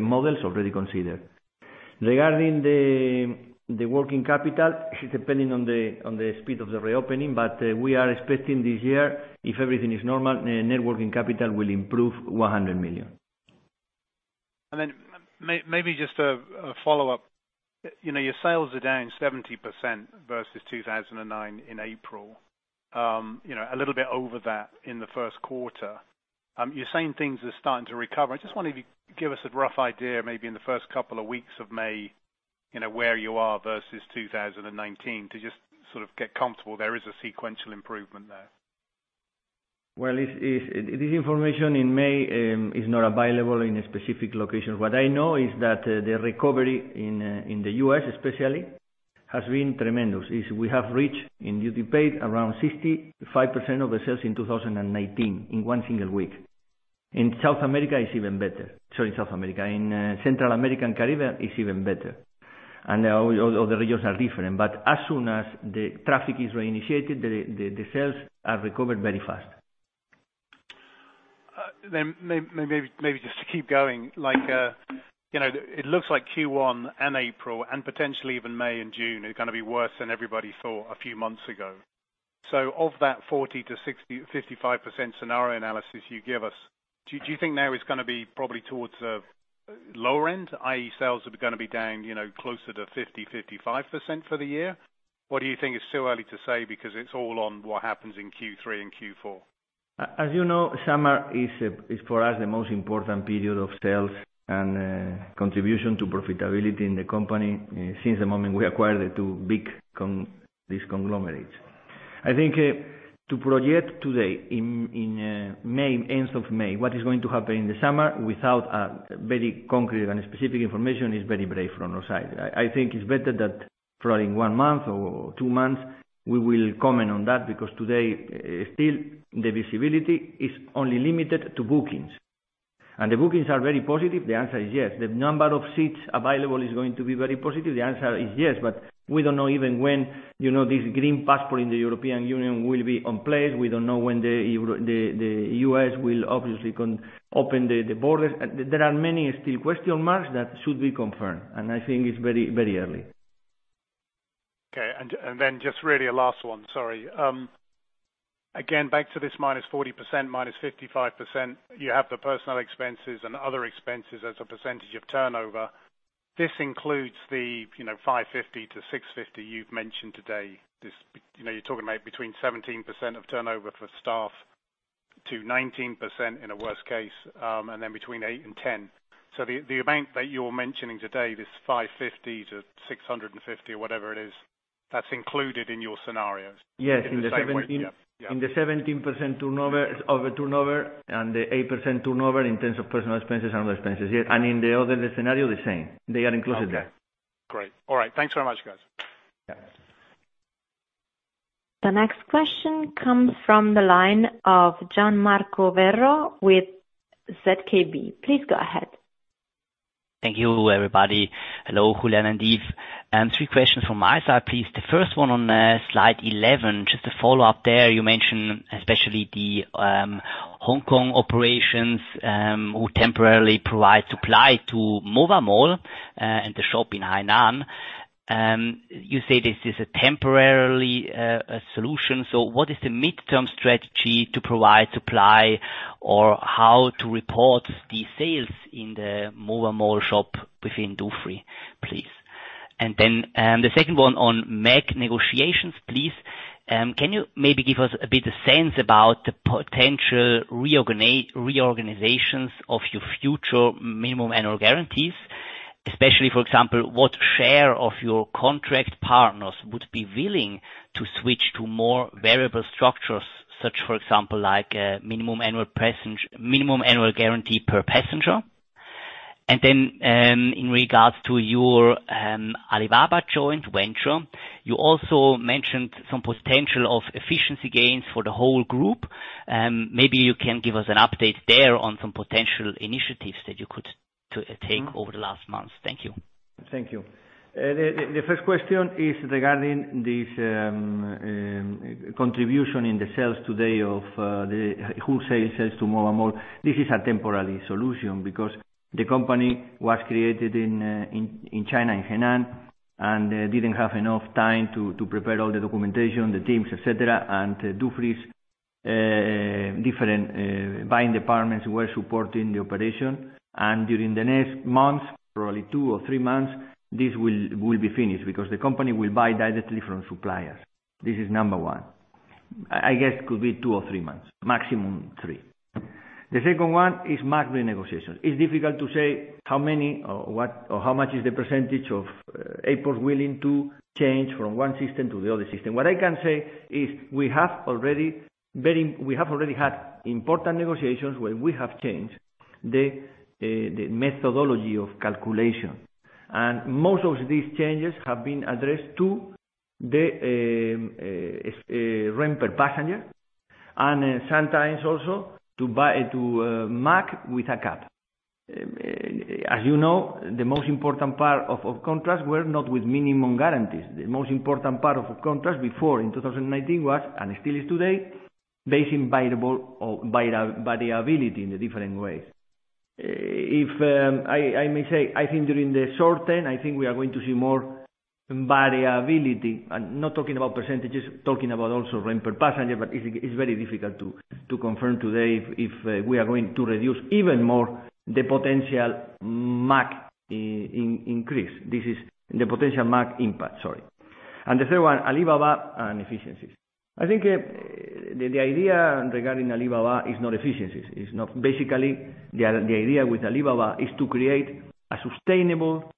[SPEAKER 2] models, already considered. Regarding the working capital, depending on the speed of the reopening, but we are expecting this year, if everything is normal, net working capital will improve 100 million.
[SPEAKER 6] Maybe just a follow-up. Your sales are down 70% versus 2019 in April. A little bit over that in the first quarter. You're saying things are starting to recover. I just wonder if you could give us a rough idea, maybe in the first couple of weeks of May, where you are versus 2019, to just sort of get comfortable there is a sequential improvement there.
[SPEAKER 2] This information in May is not available in a specific location. What I know is that the recovery in the U.S. especially, has been tremendous. We have reached, in duty paid, around 65% of the sales in 2019 in one single week. In South America, it's even better. Sorry, South America. In Central America and Caribbean, it's even better. All the regions are different, but as soon as the traffic is reinitiated, the sales have recovered very fast.
[SPEAKER 6] Maybe just to keep going. It looks like Q1 and April, and potentially even May and June, are going to be worse than everybody thought a few months ago. Of that 40%-55% scenario analysis you give us, do you think now it's going to be probably towards the lower end, i.e., sales are going to be down closer to 50%, 55% for the year? What do you think is too early to say because it's all on what happens in Q3 and Q4?
[SPEAKER 2] As you know, summer is, for us, the most important period of sales and contribution to profitability in the company since the moment we acquired the two big conglomerates. I think to project today in May, end of May, what is going to happen in the summer without very concrete and specific information is very brave from our side. I think it's better that probably one month or two months, we will comment on that, because today still the visibility is only limited to bookings. The bookings are very positive, the answer is yes. The number of seats available is going to be very positive, the answer is yes. We don't know even when this green passport in the European Union will be in place. We don't know when the U.S. will obviously open the borders. There are many still question marks that should be confirmed, and I think it is very early.
[SPEAKER 6] Okay. Just really a last one, sorry. Again, back to this -40%, -55%, you have the personnel expenses and other expenses as a percentage of turnover. This includes the 550 to 650 you've mentioned today. You're talking about between 17% of turnover for staff to 19% in a worst case, between eight and 10. The amount that you're mentioning today, this 550 to 650, whatever it is, that's included in your scenarios?
[SPEAKER 2] Yes. In the 17% turnover, and the 8% turnover in terms of personal expenses and other expenses. In the other scenario, the same. They are included there.
[SPEAKER 6] Great. All right. Thanks very much, guys.
[SPEAKER 2] Yes.
[SPEAKER 1] The next question comes from the line of Gian Marco Werro with ZKB. Please go ahead.
[SPEAKER 7] Thank you, everybody. Hello, Julián and Yves. Three questions from my side, please. The first one on slide 11, just a follow-up there. You mentioned especially the Hong Kong operations, who temporarily provide supply to Mova Mall and the shop in Hainan. You say this is a temporary solution. What is the midterm strategy to provide supply or how to report the sales in the Mova Mall shop within Dufry, please? The second one on MAG negotiations, please. Can you maybe give us a bit of sense about the potential reorganizations of your future minimum annual guarantees, especially, for example, what share of your contract partners would be willing to switch to more variable structures, such, for example, like a minimum annual guarantee per passenger? In regards to your Alibaba joint venture, you also mentioned some potential of efficiency gains for the whole group. You can give us an update there on some potential initiatives that you could take over the last months. Thank you.
[SPEAKER 2] Thank you. The first question is regarding this contribution in the sales today of the wholesale sales to Mova Mall. This is a temporary solution because the company was created in China, in Hainan, and didn't have enough time to prepare all the documentation, the teams, et cetera, and Dufry's different buying departments were supporting the operation. During the next months, probably two or three months, this will be finished because the company will buy directly from suppliers. This is number one. I guess could be two or three months, maximum three. The second one is MAG the negotiation. It's difficult to say how many or what or how much is the percentage of airports willing to change from one system to the other system. What I can say is we have already had important negotiations where we have changed the methodology of calculation. Most of these changes have been addressed to the rent per passenger and sometimes also to buy to MAG with a cap. As you know, the most important part of contracts were not with minimum guarantees. The most important part of contracts before in 2019 was, and still is today, based on variability in the different ways. I may say, I think during the short term, I think we are going to see more variability, not talking about percentages, talking about also rent per passenger, but it's very difficult to confirm today if we are going to reduce even more the potential MAG increase. This is the potential MAG impact, sorry. The third one, Alibaba and efficiencies. I think the idea regarding Alibaba is not efficiencies. Basically, the idea with Alibaba is to create a sustainable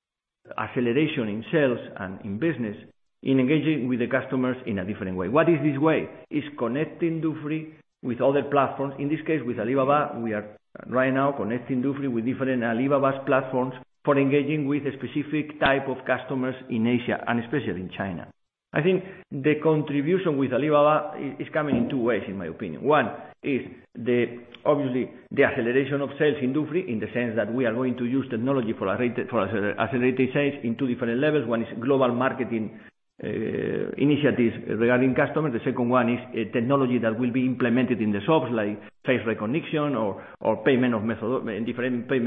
[SPEAKER 2] acceleration in sales and in business in engaging with the customers in a different way. What is this way? It's connecting Dufry with all the platforms. In this case, with Alibaba, we are right now connecting Dufry with different Alibaba's platforms for engaging with specific type of customers in Asia, and especially in China. I think the contribution with Alibaba is coming in two ways, in my opinion. One is obviously the acceleration of sales in Dufry in the sense that we are going to use technology for accelerating sales in two different levels. One is global marketing initiatives regarding customer. The second one is technology that will be implemented in the shops like face recognition or different payment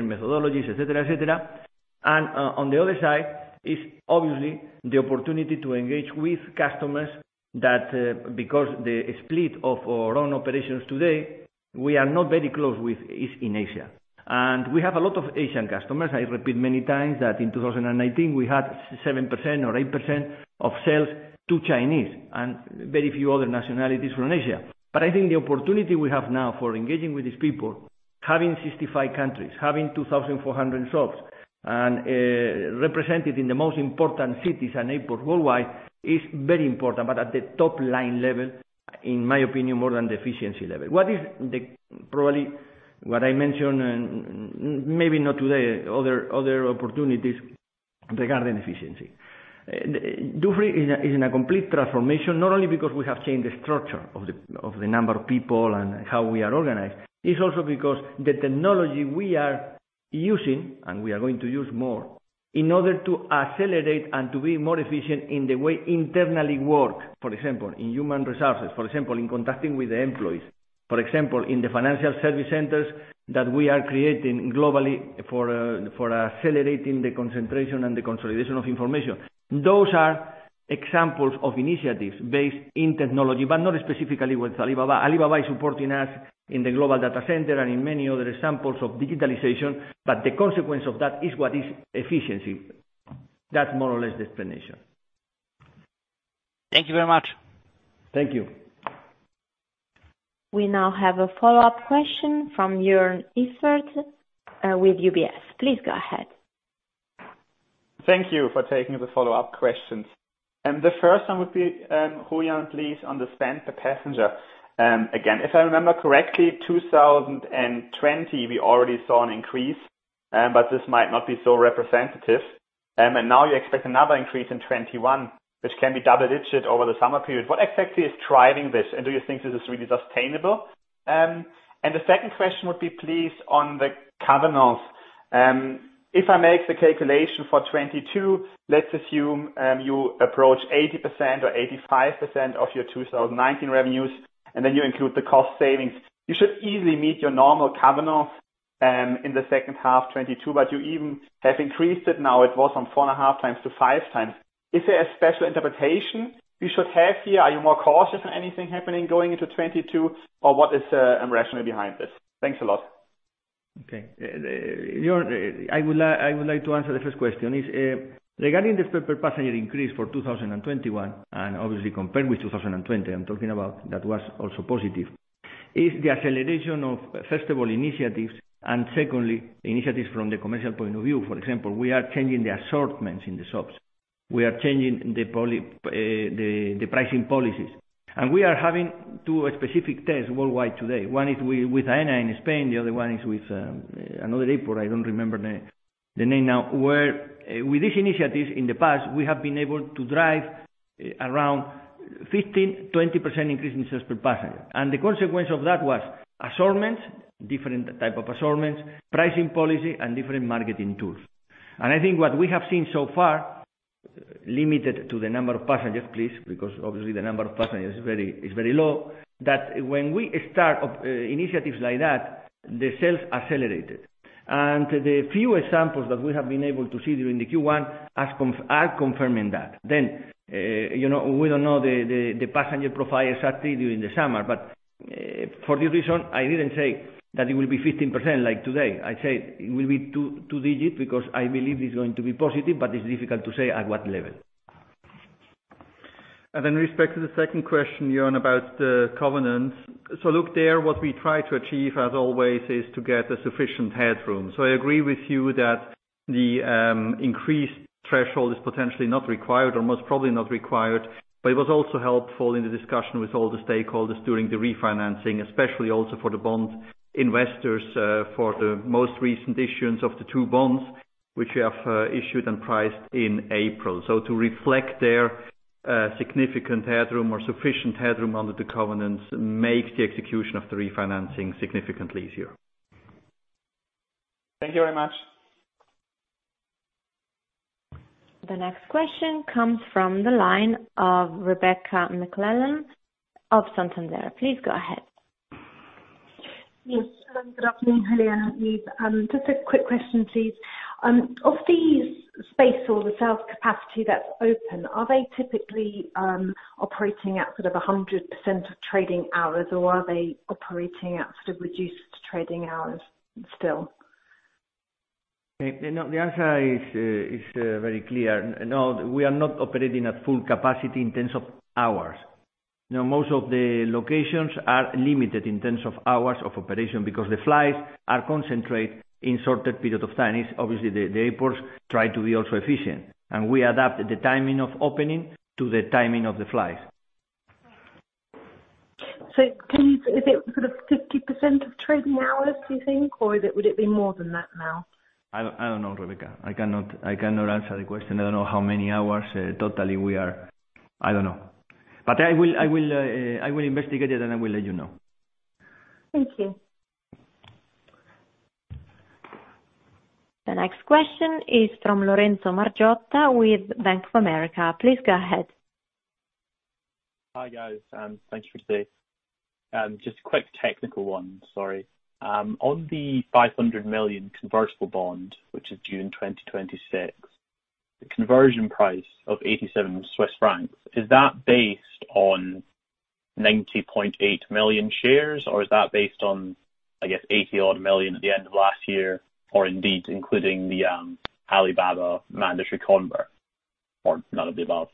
[SPEAKER 2] methodologies, et cetera. On the other side is obviously the opportunity to engage with customers that because the split of our own operations today, we are not very close with is in Asia. We have a lot of Asian customers. I repeat many times that in 2019, we had 7% or 8% of sales to Chinese and very few other nationalities from Asia. I think the opportunity we have now for engaging with these people, having 65 countries, having 2,400 shops and represented in the most important cities and airports worldwide is very important, but at the top-line level, in my opinion, more than the efficiency level. What is probably what I mentioned, maybe not today, other opportunities regarding efficiency. Dufry is in a complete transformation, not only because we have changed the structure of the number of people and how we are organized, it's also because the technology we are using, and we are going to use more in order to accelerate and to be more efficient in the way internally work, for example, in human resources, for example, in contacting with the employees, for example, in the financial service centers that we are creating globally for accelerating the concentration and the consolidation of information. Those are examples of initiatives based in technology, but not specifically with Alibaba. Alibaba is supporting us in the global data center and in many other examples of digitalization, but the consequence of that is what is efficiency. That's more or less the explanation.
[SPEAKER 7] Thank you very much.
[SPEAKER 2] Thank you.
[SPEAKER 1] We now have a follow-up question from Joern Iffert with UBS. Please go ahead.
[SPEAKER 4] Thank you for taking the follow-up questions. The first one would be, Julián, please, on the spend per passenger. Again, if I remember correctly, 2020, we already saw an increase, but this might not be so representative. Now you expect another increase in 2021, which can be double-digit over the summer period. What exactly is driving this, and do you think this is really sustainable? The second question would be, please, on the covenants. If I make the calculation for 2022, let's assume you approach 80% or 85% of your 2019 revenues, and then you include the cost savings. You should easily meet your normal covenants in the second half 2022, but you even have increased it now. It was from 4.5x–5x. Is there a special interpretation we should have here? Are you more cautious on anything happening going into 2022, or what is the rationale behind this? Thanks a lot.
[SPEAKER 2] Okay. Joern, I would like to answer the first question. Regarding the spend per passenger increase for 2021, and obviously compared with 2020, I'm talking about that was also positive, is the acceleration of sustainable initiatives and secondly, initiatives from the commercial point of view. For example, we are changing the assortments in the shops. We are changing the pricing policies. We are having two specific tests worldwide today. One is with Aena in Spain, the other one is with another airport, I don't remember the name now. Where with these initiatives in the past, we have been able to drive around 15%, 20% increase in sales per passenger. The consequence of that was assortments, different type of assortments, pricing policy, and different marketing tools. I think what we have seen so far, limited to the number of passengers, please, because obviously the number of passengers is very low, that when we start initiatives like that, the sales accelerated. The few examples that we have been able to see during the Q1 are confirming that. We don't know the passenger profile exactly during the summer, but for this reason, I didn't say that it will be 15% like today. I said it will be two digit because I believe it's going to be positive, but it's difficult to say at what level.
[SPEAKER 3] In respect to the second question, Joern, about the covenants. Look, there, what we try to achieve, as always, is to get a sufficient headroom. I agree with you that the increased threshold is potentially not required or most probably not required, but it was also helpful in the discussion with all the stakeholders during the refinancing, especially also for the bond investors for the most recent issuance of the two bonds, which we have issued and priced in April. To reflect their significant headroom or sufficient headroom under the covenants makes the execution of the refinancing significantly easier.
[SPEAKER 4] Thank you very much.
[SPEAKER 1] The next question comes from the line of Rebecca McClellan of Santander. Please go ahead.
[SPEAKER 8] Yes. Good afternoon, Julián, Yves. Just a quick question to you. Of these spaces or the sales capacity that's open, are they typically operating at sort of 100% of trading hours, or are they operating at sort of reduced trading hours still?
[SPEAKER 2] The answer is very clear. No, we are not operating at full capacity in terms of hours. Most of the locations are limited in terms of hours of operation because the flights are concentrated in certain periods of time. Obviously, the airports try to be also efficient, and we adapt the timing of opening to the timing of the flights.
[SPEAKER 8] Is it sort of 50% of trading hours, do you think, or would it be more than that now?
[SPEAKER 2] I don't know, Rebecca. I cannot answer the question. I don't know how many hours totally we are I don't know. I will investigate it, and I will let you know.
[SPEAKER 8] Thank you.
[SPEAKER 1] The next question is from Lorenzo Margiotta with Bank of America. Please go ahead.
[SPEAKER 9] Hi, guys. Thanks for today. Just a quick technical one, sorry. On the 500 million convertible bond, which is due in 2026, the conversion price of 87 Swiss francs, is that based on 90.8 million shares, or is that based on, I guess, 81 million at the end of last year, or indeed including the Alibaba mandatory convert or none of the above?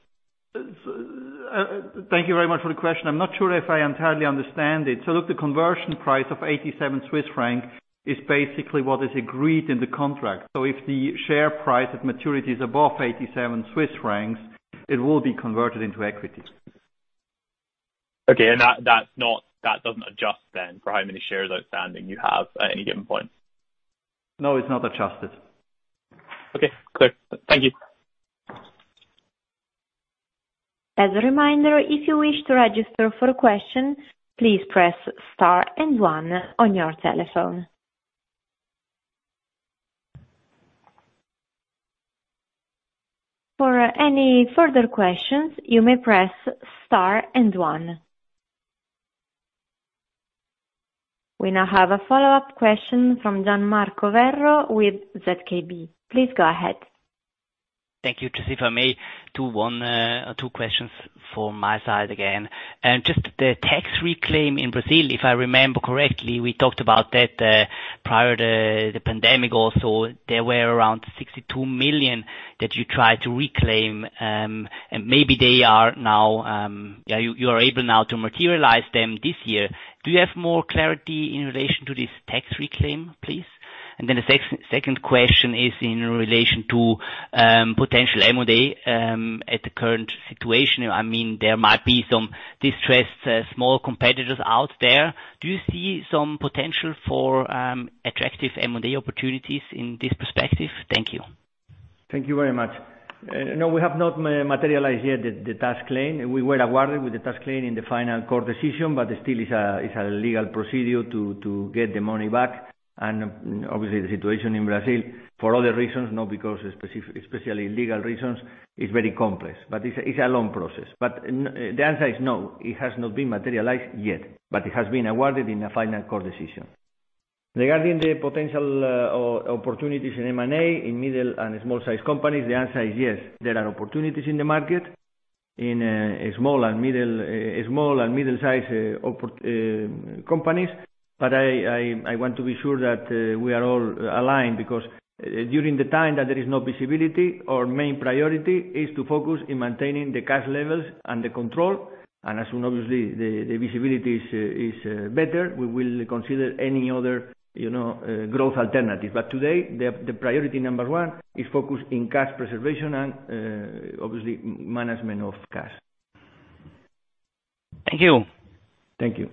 [SPEAKER 3] Thank you very much for the question. I'm not sure if I entirely understand it. Look, the conversion price of 87 Swiss franc is basically what is agreed in the contract. If the share price at maturity is above 87 Swiss francs, it will be converted into equity.
[SPEAKER 9] Okay, that doesn't adjust then for how many shares outstanding you have at any given point?
[SPEAKER 3] No, it's not adjusted.
[SPEAKER 9] Okay, clear. Thank you.
[SPEAKER 1] As a reminder, if you wish to register for questions, please press star and one on your telephone. For any further questions, you may press star and one. We now have a follow-up question from Gian Marco Werro with ZKB. Please go ahead.
[SPEAKER 7] Thank you. Just if I may, two questions from my side again. Just the tax reclaim in Brazil, if I remember correctly, we talked about that prior the pandemic also, there were around 62 million that you tried to reclaim, and maybe you are able now to materialize them this year. Do you have more clarity in relation to this tax reclaim, please? The second question is in relation to potential M&A at the current situation. There might be some distressed small competitors out there. Do you see some potential for attractive M&A opportunities in this perspective? Thank you.
[SPEAKER 2] Thank you very much. No, we have not materialized yet the tax claim. We were awarded with the tax claim in the final court decision, but still it's a legal procedure to get the money back. Obviously, the situation in Brazil, for other reasons, not because especially legal reasons, is very complex. It's a long process. The answer is no, it has not been materialized yet. It has been awarded in a final court decision. Regarding the potential opportunities in M&A, in middle and small-sized companies, the answer is yes. There are opportunities in the market in small and middle-sized companies. I want to be sure that we are all aligned, because during the time that there is no visibility, our main priority is to focus in maintaining the cash levels and the control. As soon, obviously, the visibility is better, we will consider any other growth alternative. Today, the priority number one is focused in cash preservation and, obviously, management of cash.
[SPEAKER 7] Thank you.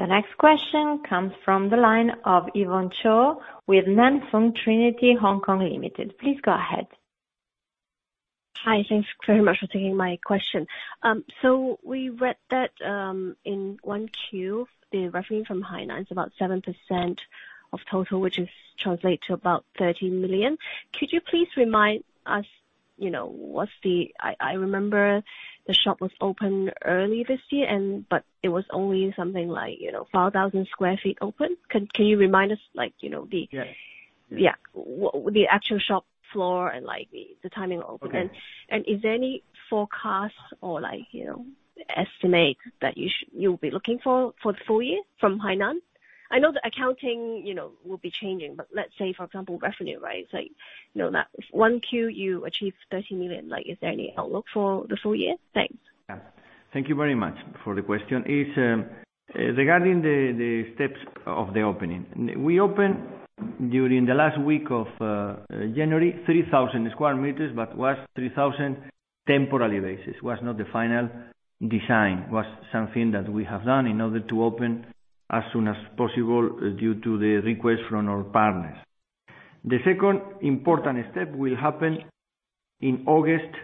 [SPEAKER 1] The next question comes from the line of Yvonne Chow with Nan Fung Trinity Hong Kong Limited. Please go ahead.
[SPEAKER 10] Hi. Thanks very much for taking my question. We read that in Q1, the revenue from Hainan is about 7% of total, which translates to about 13 million. Could you please remind us, I remember the shop was open early this year, but it was only something like 5,000 sq ft open. Can you remind us the actual shop floor and the timing of open? Is there any forecast or estimates that you'll be looking for the full year from Hainan? I know the accounting will be changing, but let's say, for example, revenue, right? If Q1 you achieve 13 million, is there any outlook for the full year? Thanks.
[SPEAKER 2] Thank you very much for the question. Regarding the steps of the opening. We opened during the last week of January 3,000 square meters, but it was 3,000 temporary basis. It was not the final design. It was something that we have done in order to open as soon as possible due to the request from our partners. The second important step will happen in August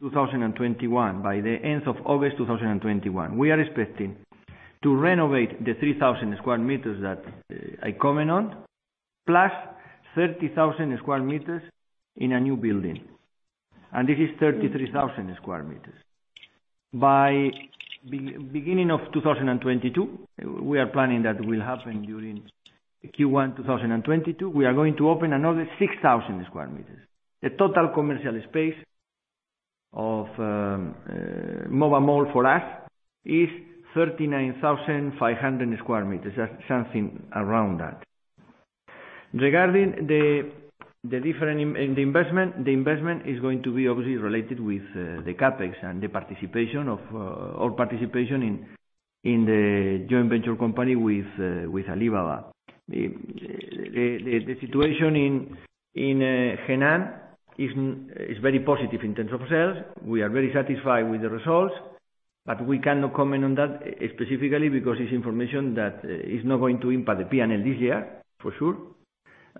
[SPEAKER 2] 2021. By the end of August 2021, we are expecting to renovate the 3,000 square meters that I comment on, plus 30,000 square meters in a new building, and this is 33,000 square meters. By beginning of 2022, we are planning that will happen during Q1 2022, we are going to open another 6,000 square meters. The total commercial space of Mova Mall for us is 39,500 square meters, something around that. Regarding the different investment, the investment is going to be obviously related with the CapEx and our participation in the joint venture company with Alibaba. The situation in Hainan is very positive in terms of sales. We are very satisfied with the results, but we cannot comment on that specifically because it's information that is not going to impact the P&L this year for sure.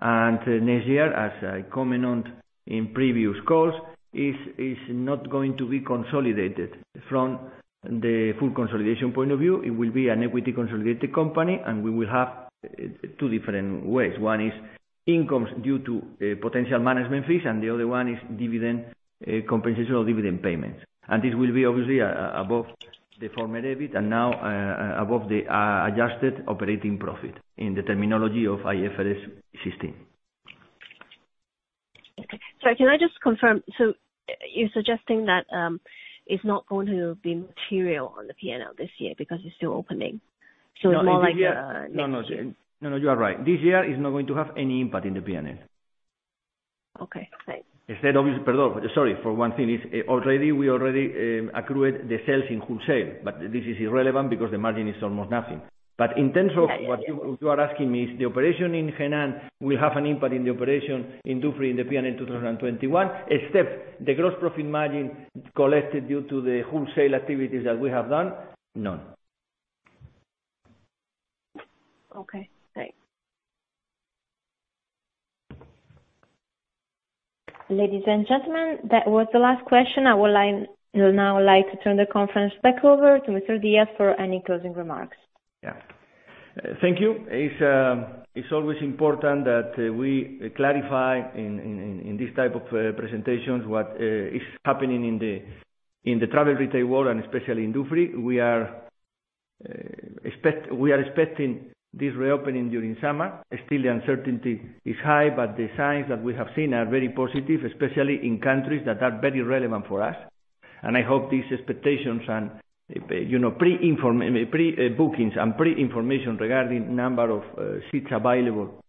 [SPEAKER 2] Next year, as I comment on in previous calls, is not going to be consolidated from the full consolidation point of view. It will be an equity consolidated company, and we will have two different ways. One is incomes due to potential management fees, and the other one is compensation or dividend payment. This will be obviously above the former EBIT and now above the adjusted operating profit in the terminology of IFRS 16.
[SPEAKER 10] Okay. Can I just confirm, so you're suggesting that it's not going to be material on the P&L this year because it's still opening?
[SPEAKER 2] No, you're right. This year is not going to have any impact in the P&L.
[SPEAKER 10] Okay, great.
[SPEAKER 2] Sorry. For one thing, already we already accrued the sales in wholesale, but this is irrelevant because the margin is almost nothing. In terms of what you are asking me, the operation in Hainan will have an impact in the operation in Dufry in the P&L 2021, except the gross profit margin collected due to the wholesale activities that we have done, none.
[SPEAKER 10] Okay, great.
[SPEAKER 1] Ladies and gentlemen, that was the last question. I will now like to turn the conference back over to Mr. Díaz for any closing remarks.
[SPEAKER 2] Yes. Thank you. It's always important that we clarify in this type of presentations what is happening in the travel retail world and especially in Dufry. We are expecting this reopening during summer. Still the uncertainty is high, but the signs that we have seen are very positive, especially in countries that are very relevant for us. I hope these expectations and pre-information regarding number of seats available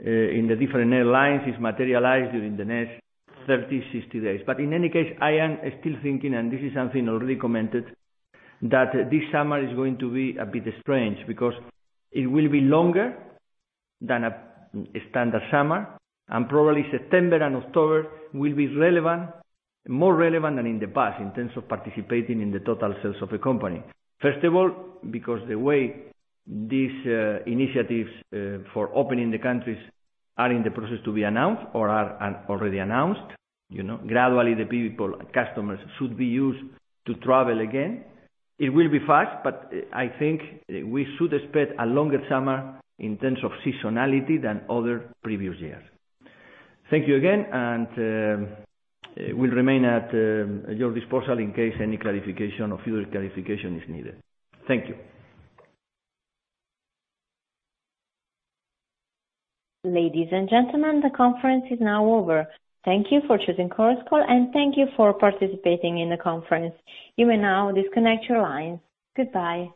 [SPEAKER 2] in the different airlines is materialized during the next 30, 60 days. In any case, I am still thinking, and this is something already commented, that this summer is going to be a bit strange because it will be longer than a standard summer, and probably September and October will be more relevant than in the past in terms of participating in the total sales of the company. First of all, because the way these initiatives for opening the countries are in the process to be announced or are already announced, gradually the people, customers should be used to travel again. It will be fast, but I think we should expect a longer summer in terms of seasonality than other previous years. Thank you again, and we remain at your disposal in case any clarification or further clarification is needed. Thank you.
[SPEAKER 1] Ladies and gentlemen, the conference is now over. Thank you for choosing Chorus Call, and thank you for participating in the conference. You may now disconnect your lines. Goodbye.